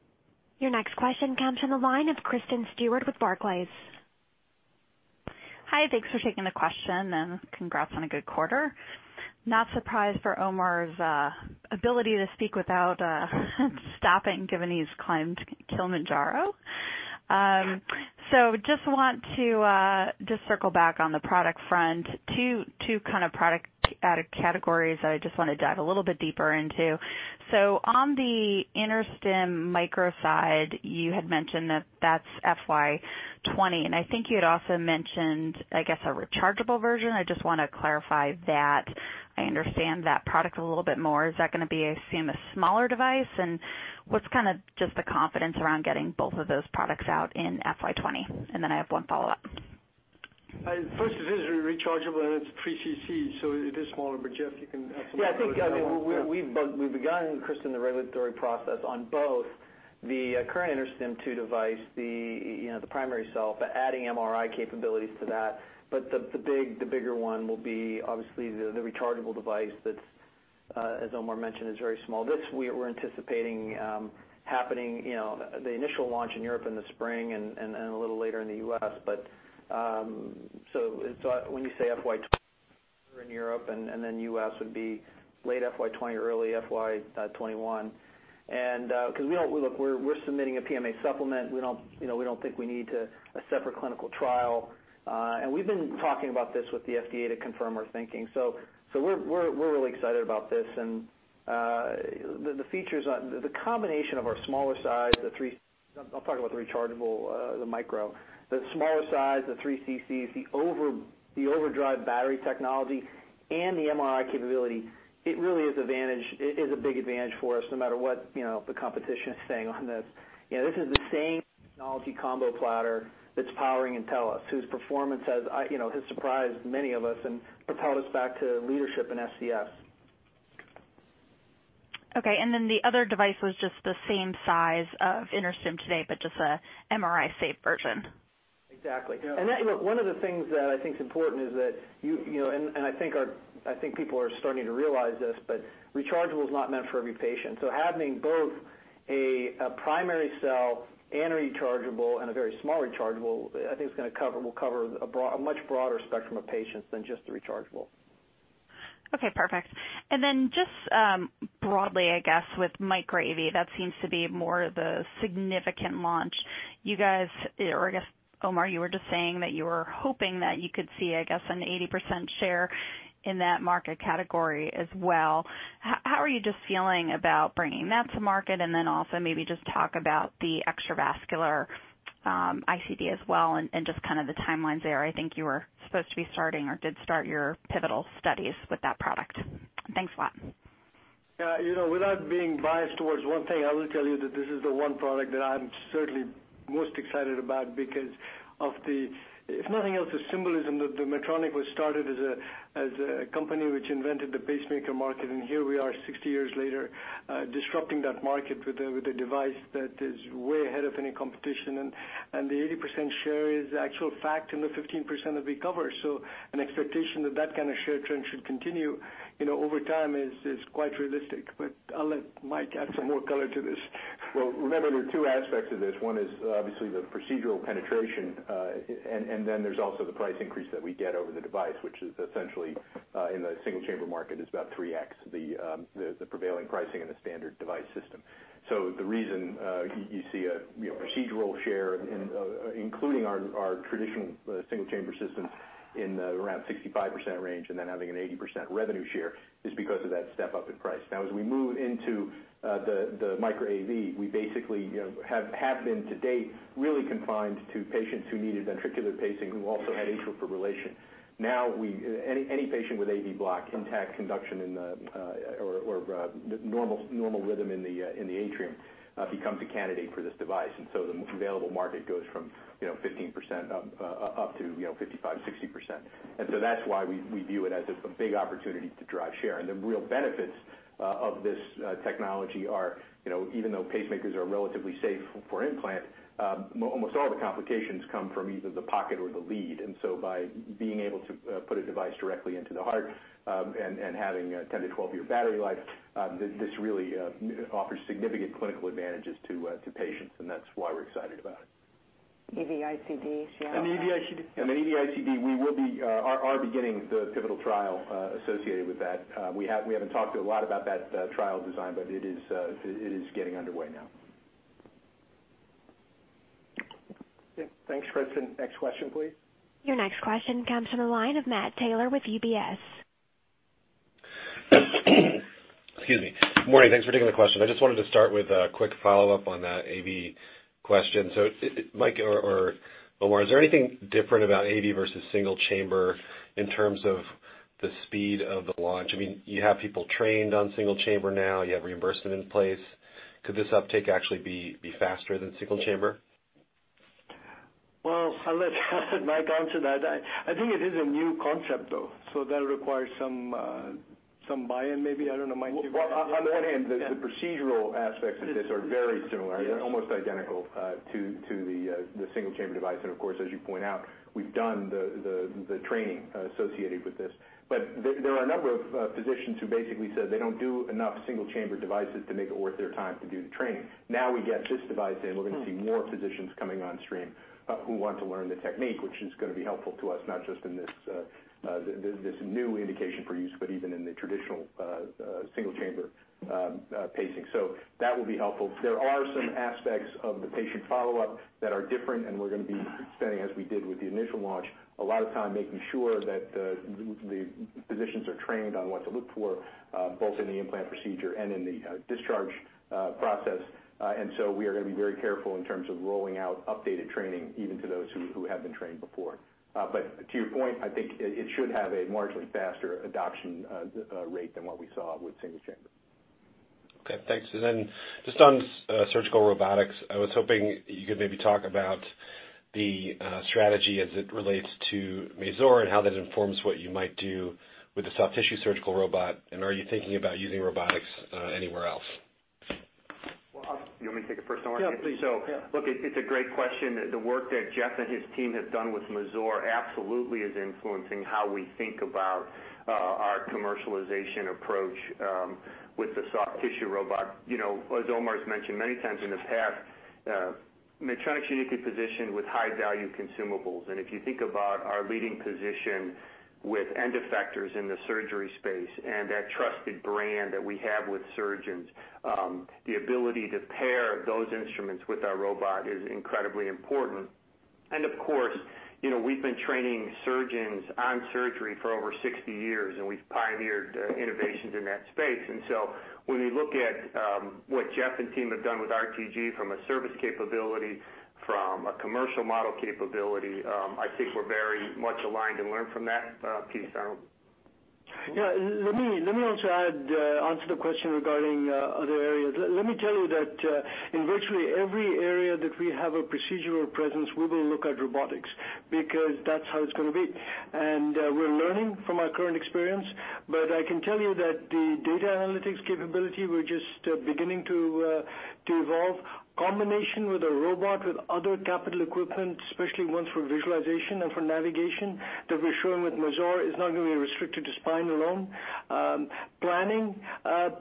Your next question comes from the line of Kristen Stewart with Barclays. Hi, thanks for taking the question. Congrats on a good quarter. Not surprised for Omar's ability to speak without stopping, given he's climbed Kilimanjaro. Just want to circle back on the product front. Two kind of product added categories I just want to dive a little bit deeper into. On the InterStim Micro side, you had mentioned that that's FY 2020. I think you had also mentioned, I guess, a rechargeable version. I just want to clarify that I understand that product a little bit more. Is that going to be a smaller device? What's kind of just the confidence around getting both of those products out in FY 2020? I have one follow-up. First, it is rechargeable, and it's 3cc, so it is smaller. Geoff, you can have some more color. Yeah, I think we've begun, Kristen, the regulatory process on both the current InterStim II device, the primary cell, but adding MRI capabilities to that. The bigger one will be obviously the rechargeable device that, as Omar mentioned, is very small. This we're anticipating happening, the initial launch in Europe in the spring and a little later in the U.S., but so when you say FY 2020 in Europe, and then U.S. would be late FY 2020 or early FY 2021. Because look, we're submitting a PMA supplement. We don't think we need a separate clinical trial. We've been talking about this with the FDA to confirm our thinking. We're really excited about this, and the combination of our smaller size, I'll talk about the rechargeable, the Micro. The smaller size, the 3cc, the overdrive battery technology, and the MRI capability, it really is a big advantage for us, no matter what the competition is saying on this. This is the same technology combo platter that's powering Intellis, whose performance has surprised many of us and propelled us back to leadership in SCS. The other device was just the same size of InterStim today, but just a MRI-safe version. Exactly. Yeah. Look, one of the things that I think is important is that, and I think people are starting to realize this, but rechargeable is not meant for every patient. A primary cell and rechargeable, and a very small rechargeable, I think is going to cover a much broader spectrum of patients than just the rechargeable. Okay, perfect. Just broadly, I guess, with Micra AV, that seems to be more the significant launch. You guys or I guess, Omar, you were just saying that you were hoping that you could see an 80% share in that market category as well. How are you just feeling about bringing that to market? Also maybe just talk about the extravascular ICD as well, and just the timelines there. I think you were supposed to be starting or did start your pivotal studies with that product. Thanks a lot. Yeah. Without being biased towards one thing, I will tell you that this is the one product that I'm certainly most excited about because of the, if nothing else, the symbolism that Medtronic was started as a company which invented the pacemaker market, and here we are 60 years later, disrupting that market with a device that is way ahead of any competition. The 80% share is actual fact and the 15% that we cover. An expectation that kind of share trend should continue over time is quite realistic. I'll let Mike add some more color to this. Well, remember, there are two aspects of this. One is obviously the procedural penetration, and then there's also the price increase that we get over the device, which is essentially, in the single-chamber market is about 3x, the prevailing pricing in the standard device system. The reason you see a procedural share including our traditional single-chamber systems in the around 65% range and then having an 80% revenue share is because of that step-up in price. Now, as we move into the Micra AV, we basically have been to date, really confined to patients who needed ventricular pacing who also had atrial fibrillation. Now, any patient with AV block, intact conduction in the, or normal rhythm in the atrium, becomes a candidate for this device. The available market goes from 15% up to 55%, 60%. That's why we view it as a big opportunity to drive share. The real benefits of this technology are, even though pacemakers are relatively safe for implant, almost all the complications come from either the pocket or the lead. By being able to put a device directly into the heart, and having a 10 to 12-year battery life, this really offers significant clinical advantages to patients, and that's why we're excited about it. EV-ICD, she asked. The EV-ICD, we are beginning the pivotal trial associated with that. We haven't talked a lot about that trial design, but it is getting underway now. Yeah. Thanks, Kristen. Next question, please. Your next question comes from the line of Matt Taylor with UBS. Excuse me. Good morning. Thanks for taking the question. I just wanted to start with a quick follow-up on that AV question. Mike or Omar, is there anything different about AV versus single chamber in terms of the speed of the launch? I mean, you have people trained on single chamber now, you have reimbursement in place. Could this uptake actually be faster than single chamber? Well, I'll let Mike answer that. I think it is a new concept, though, so that requires some buy-in maybe. I don't know, Mike. Well, on the one hand, the procedural aspects of this are very similar. They're almost identical to the single-chamber device. Of course, as you point out, we've done the training associated with this. There are a number of physicians who basically said they don't do enough single-chamber devices to make it worth their time to do the training. Now, we get this device in, we're going to see more physicians coming on stream who want to learn the technique, which is going to be helpful to us, not just in this new indication for use, but even in the traditional single-chamber pacing. That will be helpful. There are some aspects of the patient follow-up that are different, and we're going to be spending, as we did with the initial launch, a lot of time making sure that the physicians are trained on what to look for, both in the implant procedure and in the discharge process. So we are going to be very careful in terms of rolling out updated training even to those who have been trained before. To your point, I think it should have a marginally faster adoption rate than what we saw with single chamber. Okay, thanks. Just on surgical robotics, I was hoping you could maybe talk about the strategy as it relates to Mazor and how that informs what you might do with the soft tissue surgical robot, and are you thinking about using robotics anywhere else? Well, you want me to take it first, Omar? Yeah, please. Look, it's a great question. The work that Geoff and his team have done with Mazor absolutely is influencing how we think about our commercialization approach with the soft tissue robot. As Omar's mentioned many times in the past, Medtronic's uniquely positioned with high-value consumables. If you think about our leading position with end effectors in the surgery space and that trusted brand that we have with surgeons, the ability to pair those instruments with our robot is incredibly important. Of course, we've been training surgeons on surgery for over 60 years, and we've pioneered innovations in that space. When we look at what Geoff and team have done with RTG from a service capability, from a commercial model capability, I think we're very much aligned and learn from that piece. Yeah, let me also add, answer the question regarding other areas. Let me tell you that in virtually every area that we have a procedural presence, we will look at robotics because that's how it's going to be. We're learning from our current experience, but I can tell you that the data analytics capability, we're just beginning to evolve. Combination with a robot, with other capital equipment, especially ones for visualization and for navigation that we're showing with Mazor, is not going to be restricted to spine alone. Planning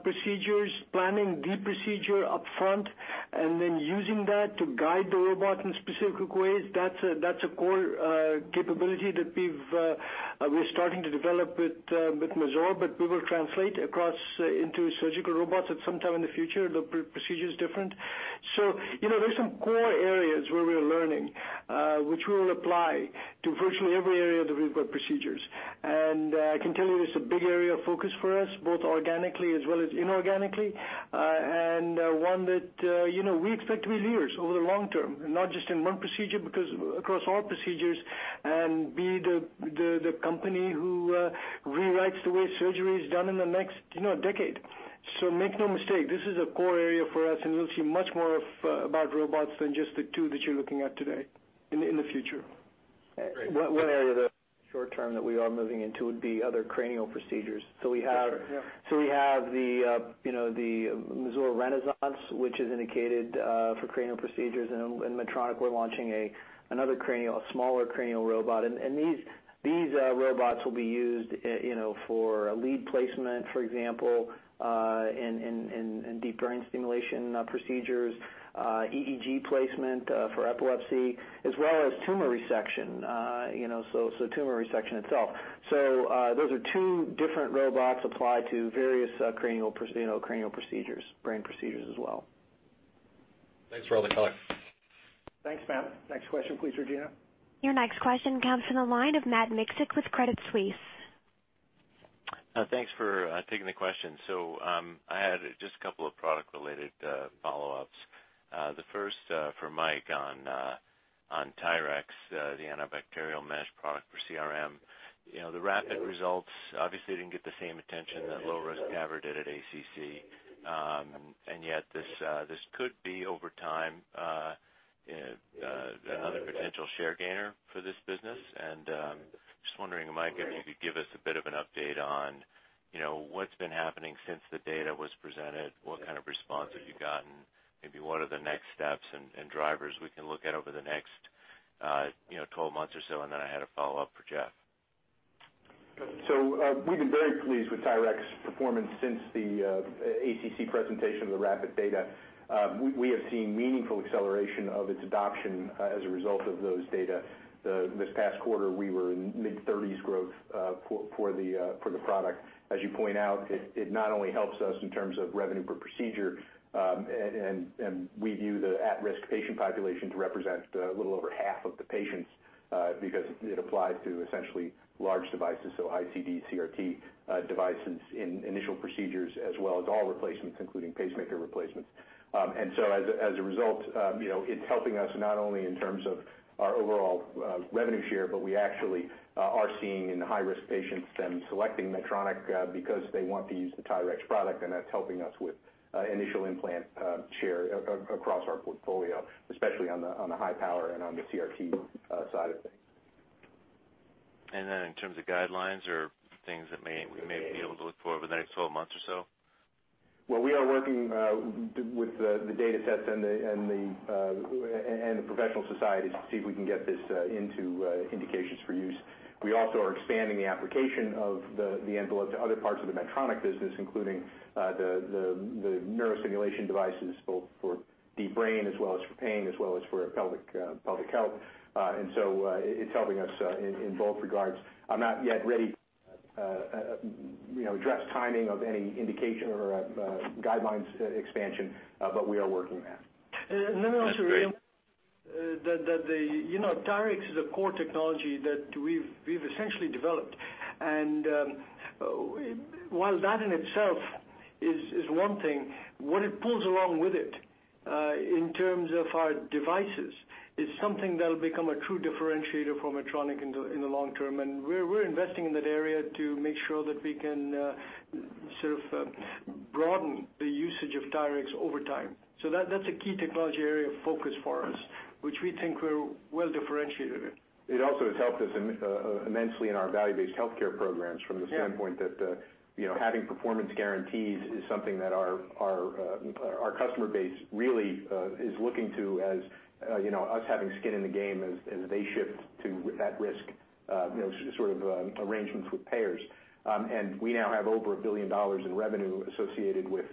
procedures, planning the procedure upfront, and then using that to guide the robot in specific ways, that's a core capability that we're starting to develop with Mazor. We will translate across into surgical robots at some time in the future. The procedure is different. There's some core areas where we're learning, which will apply to virtually every area that we've got procedures. I can tell you it's a big area of focus for us, both organically as well as inorganically. One that we expect to be leaders over the long term, not just in one procedure, because across all procedures, and be the company who rewrites the way surgery is done in the next decade. Make no mistake, this is a core area for us, and you'll see much more of about robots than just the two that you're looking at today in the future. Great. One area that short term that we are moving into would be other cranial procedures. That's right, yeah. We have the Mazor Renaissance, which is indicated for cranial procedures, Medtronic, we're launching another cranial, a smaller cranial robot. These robots will be used for lead placement, for example, in deep brain stimulation procedures, EEG placement for epilepsy as well as tumor resection, so tumor resection itself. Those are two different robots applied to various cranial procedures, brain procedures as well. Thanks for all the color. Thanks, Matt. Next question please, Regina. Your next question comes from the line of Matt Miksic with Credit Suisse. Thanks for taking the question. I had just a couple of product-related follow-ups. The first for Mike on TYRX, the antibacterial mesh product for CRM. The rapid results obviously didn't get the same attention that low-risk TAVR did at ACC. Yet this could be over time, another potential share gainer for this business. Just wondering, Mike, if you could give us a bit of an update on what's been happening since the data was presented, what kind of response have you gotten, maybe what are the next steps and drivers we can look at over the next 12 months or so. Then I had a follow-up for Geoff. We've been very pleased with TYRX performance since the ACC presentation of the rapid data. We have seen meaningful acceleration of its adoption as a result of those data. This past quarter, we were in mid-30s growth for the product. As you point out, it not only helps us in terms of revenue per procedure, and we view the at-risk patient population to represent a little over half of the patients, because it applies to essentially large devices, so ICD, CRT devices in initial procedures as well as all replacements, including pacemaker replacements. As a result, it's helping us not only in terms of our overall revenue share, but we actually are seeing in the high-risk patients them selecting Medtronic because they want to use the TYRX product, and that's helping us with initial implant share across our portfolio, especially on the high power and on the CRT side of things. In terms of guidelines or things that we may be able to look for over the next 12 months or so? Well, we are working with the data sets and the professional societies to see if we can get this into indications for use. We also are expanding the application of the envelope to other parts of the Medtronic business, including the neurostimulation devices, both for deep brain as well as for pain, as well as for pelvic health. It's helping us in both regards. I'm not yet ready to address timing of any indication or guidelines expansion, we are working that. That's great. Also to reemphasize that TYRX is a core technology that we've essentially developed. While that in itself is one thing, what it pulls along with it, in terms of our devices, is something that'll become a true differentiator for Medtronic in the long term. We're investing in that area to make sure that we can sort of broaden the usage of TYRX over time. That's a key technology area of focus for us, which we think we're well differentiated in. It also has helped us immensely in our value-based healthcare programs from the standpoint that having performance guarantees is something that our customer base really is looking to as us having skin in the game as they shift to at-risk sort of arrangements with payers. We now have over $1 billion in revenue associated with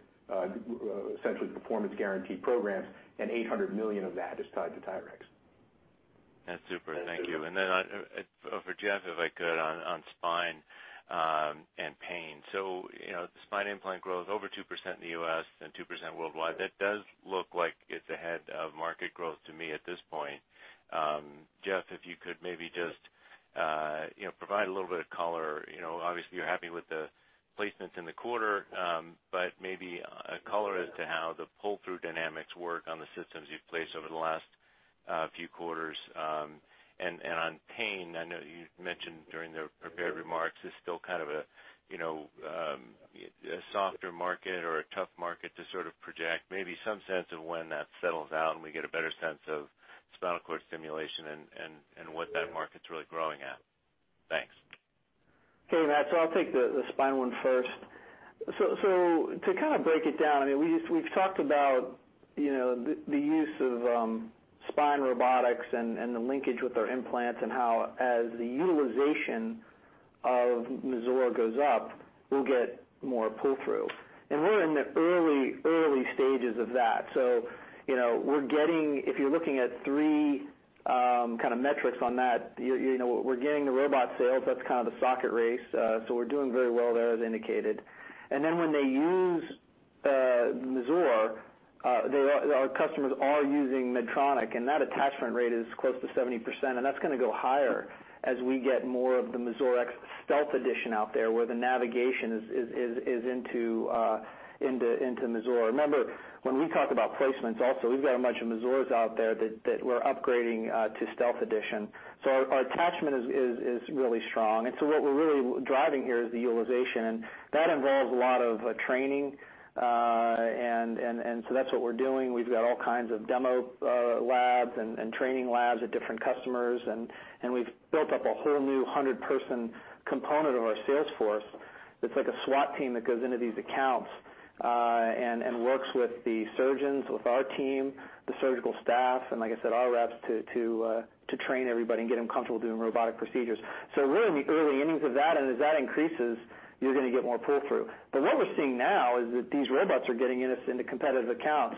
essentially performance guarantee programs, and $800 million of that is tied to TYRX. That's super. Thank you. Then for Jeff, if I could, on spine and pain. The spine implant growth over 2% in the U.S. and 2% worldwide. That does look like it's ahead of market growth to me at this point. Jeff, if you could maybe just provide a little bit of color. Obviously, you're happy with the placements in the quarter, but maybe a color as to how the pull-through dynamics work on the systems you've placed over the last few quarters. On pain, I know you mentioned during the prepared remarks, it's still kind of a softer market or a tough market to sort of project. Maybe some sense of when that settles out and we get a better sense of spinal cord stimulation and what that market's really growing at. Thanks. Okay, Matt, I'll take the spine one first. To kind of break it down, we've talked about the use of spine robotics and the linkage with our implants and how as the utilization of Mazor goes up, we'll get more pull-through. We're in the early stages of that. If you're looking at three kind of metrics on that, we're getting the robot sales, that's kind of the socket race. We're doing very well there, as indicated. When they use Mazor, our customers are using Medtronic, and that attachment rate is close to 70%, and that's going to go higher as we get more of the Mazor X Stealth Edition out there, where the navigation is into Mazor. Remember, when we talk about placements, also, we've got a bunch of Mazors out there that we're upgrading to Stealth Edition. Our attachment is really strong. What we're really driving here is the utilization, and that involves a lot of training. That's what we're doing. We've got all kinds of demo labs and training labs at different customers. We've built up a whole new 100-person component of our sales force that's like a SWAT team that goes into these accounts, and works with the surgeons, with our team, the surgical staff, and like I said, our reps to train everybody and get them comfortable doing robotic procedures. We're in the early innings of that, and as that increases, you're going to get more pull-through. What we're seeing now is that these robots are getting us into competitive accounts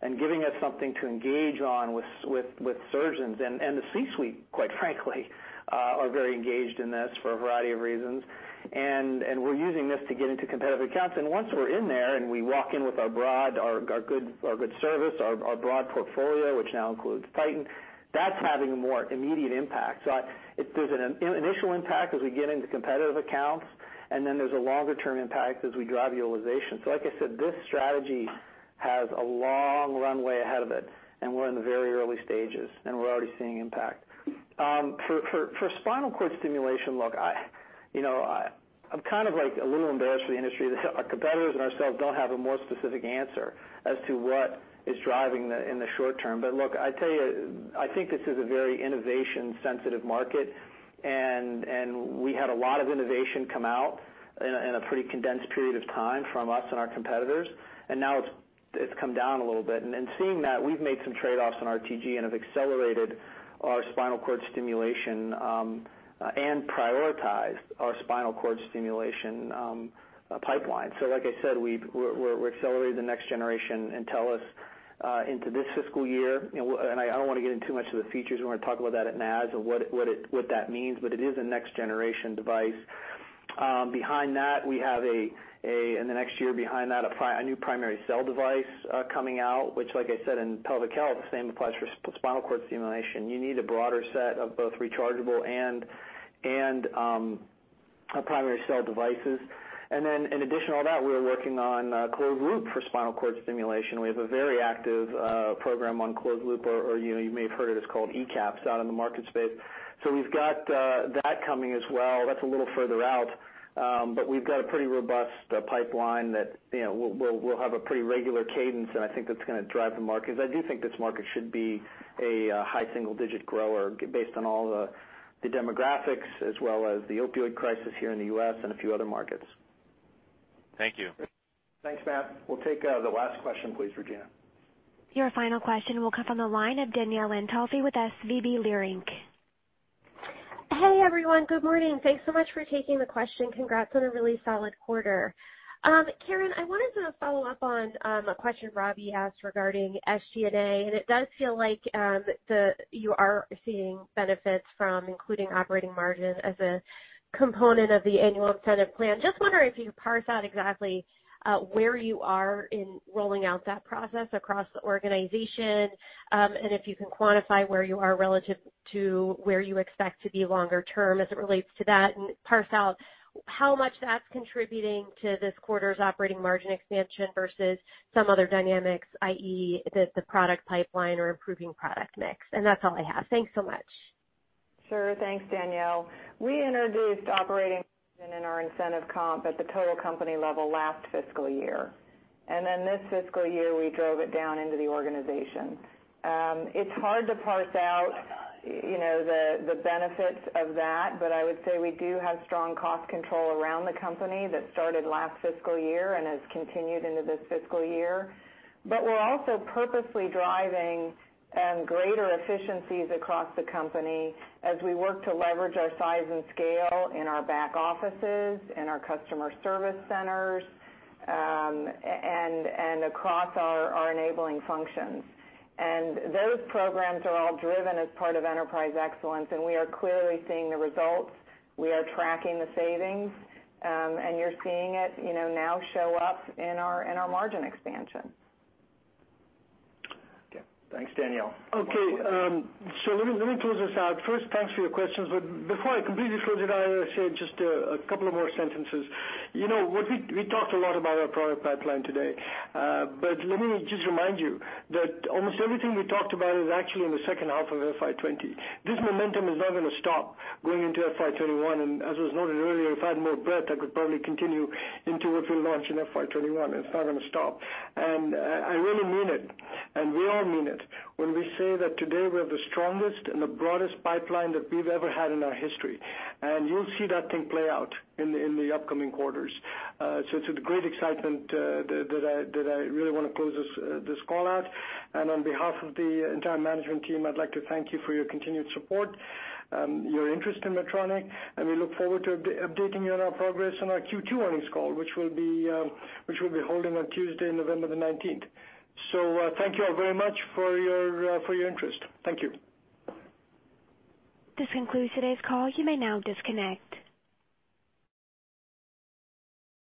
and giving us something to engage on with surgeons. The C-suite, quite frankly, are very engaged in this for a variety of reasons. We're using this to get into competitive accounts. Once we're in there and we walk in with our good service, our broad portfolio, which now includes Titan, that's having a more immediate impact. There's an initial impact as we get into competitive accounts, and then there's a longer-term impact as we drive utilization. Like I said, this strategy has a long runway ahead of it, and we're in the very early stages, and we're already seeing impact. For spinal cord stimulation, look, I'm kind of a little embarrassed for the industry that our competitors and ourselves don't have a more specific answer as to what is driving in the short term. Look, I tell you, I think this is a very innovation-sensitive market, and we had a lot of innovation come out in a pretty condensed period of time from us and our competitors. Now it's come down a little bit. In seeing that, we've made some trade-offs on RTG and have accelerated our spinal cord stimulation and prioritized our spinal cord stimulation pipeline. Like I said, we're accelerating the next generation Intellis into this fiscal year. I don't want to get into too much of the features. We want to talk about that at NANS and what that means. It is a next generation device. Behind that, we have, in the next year behind that, a new primary cell device coming out, which like I said, in pelvic health, the same applies for spinal cord stimulation. Then in addition to all that, we're working on closed loop for spinal cord stimulation. We have a very active program on closed loop, or you may have heard it's called ECAPs out in the market space. We've got that coming as well. That's a little further out. We've got a pretty robust pipeline that we'll have a pretty regular cadence, and I think that's going to drive the market. I do think this market should be a high single-digit grower based on all the demographics as well as the opioid crisis here in the U.S. and a few other markets. Thank you. Thanks, Matt. We'll take the last question, please, Regina. Your final question will come from the line of Danielle Antalffy with SVB Leerink. Hey, everyone. Good morning. Thanks so much for taking the question. Congrats on a really solid quarter. Karen, I wanted to follow up on a question Robbie asked regarding SG&A. It does feel like you are seeing benefits from including operating margin as a component of the annual incentive plan. Just wondering if you could parse out exactly where you are in rolling out that process across the organization. If you can quantify where you are relative to where you expect to be longer term as it relates to that, parse out how much that's contributing to this quarter's operating margin expansion versus some other dynamics, i.e., the product pipeline or improving product mix. That's all I have. Thanks so much. Sure. Thanks, Danielle. We introduced operating margin in our incentive comp at the total company level last fiscal year. This fiscal year, we drove it down into the organization. It's hard to parse out the benefits of that, but I would say we do have strong cost control around the company that started last fiscal year and has continued into this fiscal year. We're also purposely driving greater efficiencies across the company as we work to leverage our size and scale in our back offices and our customer service centers, and across our enabling functions. Those programs are all driven as part of Enterprise Excellence, and we are clearly seeing the results. We are tracking the savings, and you're seeing it now show up in our margin expansion. Okay. Thanks, Danielle. Okay. Let me close this out. First, thanks for your questions, but before I completely close it, I want to say just a couple of more sentences. We talked a lot about our product pipeline today. Let me just remind you that almost everything we talked about is actually in the second half of FY 2020. This momentum is not going to stop going into FY 2021. As was noted earlier, if I had more breadth, I could probably continue into what we'll launch in FY 2021. It's not going to stop. I really mean it, and we all mean it when we say that today we have the strongest and the broadest pipeline that we've ever had in our history. You'll see that thing play out in the upcoming quarters. It's with great excitement that I really want to close this call out. On behalf of the entire management team, I'd like to thank you for your continued support, your interest in Medtronic, and we look forward to updating you on our progress on our Q2 earnings call, which we'll be holding on Tuesday, November 19th. Thank you all very much for your interest. Thank you. This concludes today's call. You may now disconnect.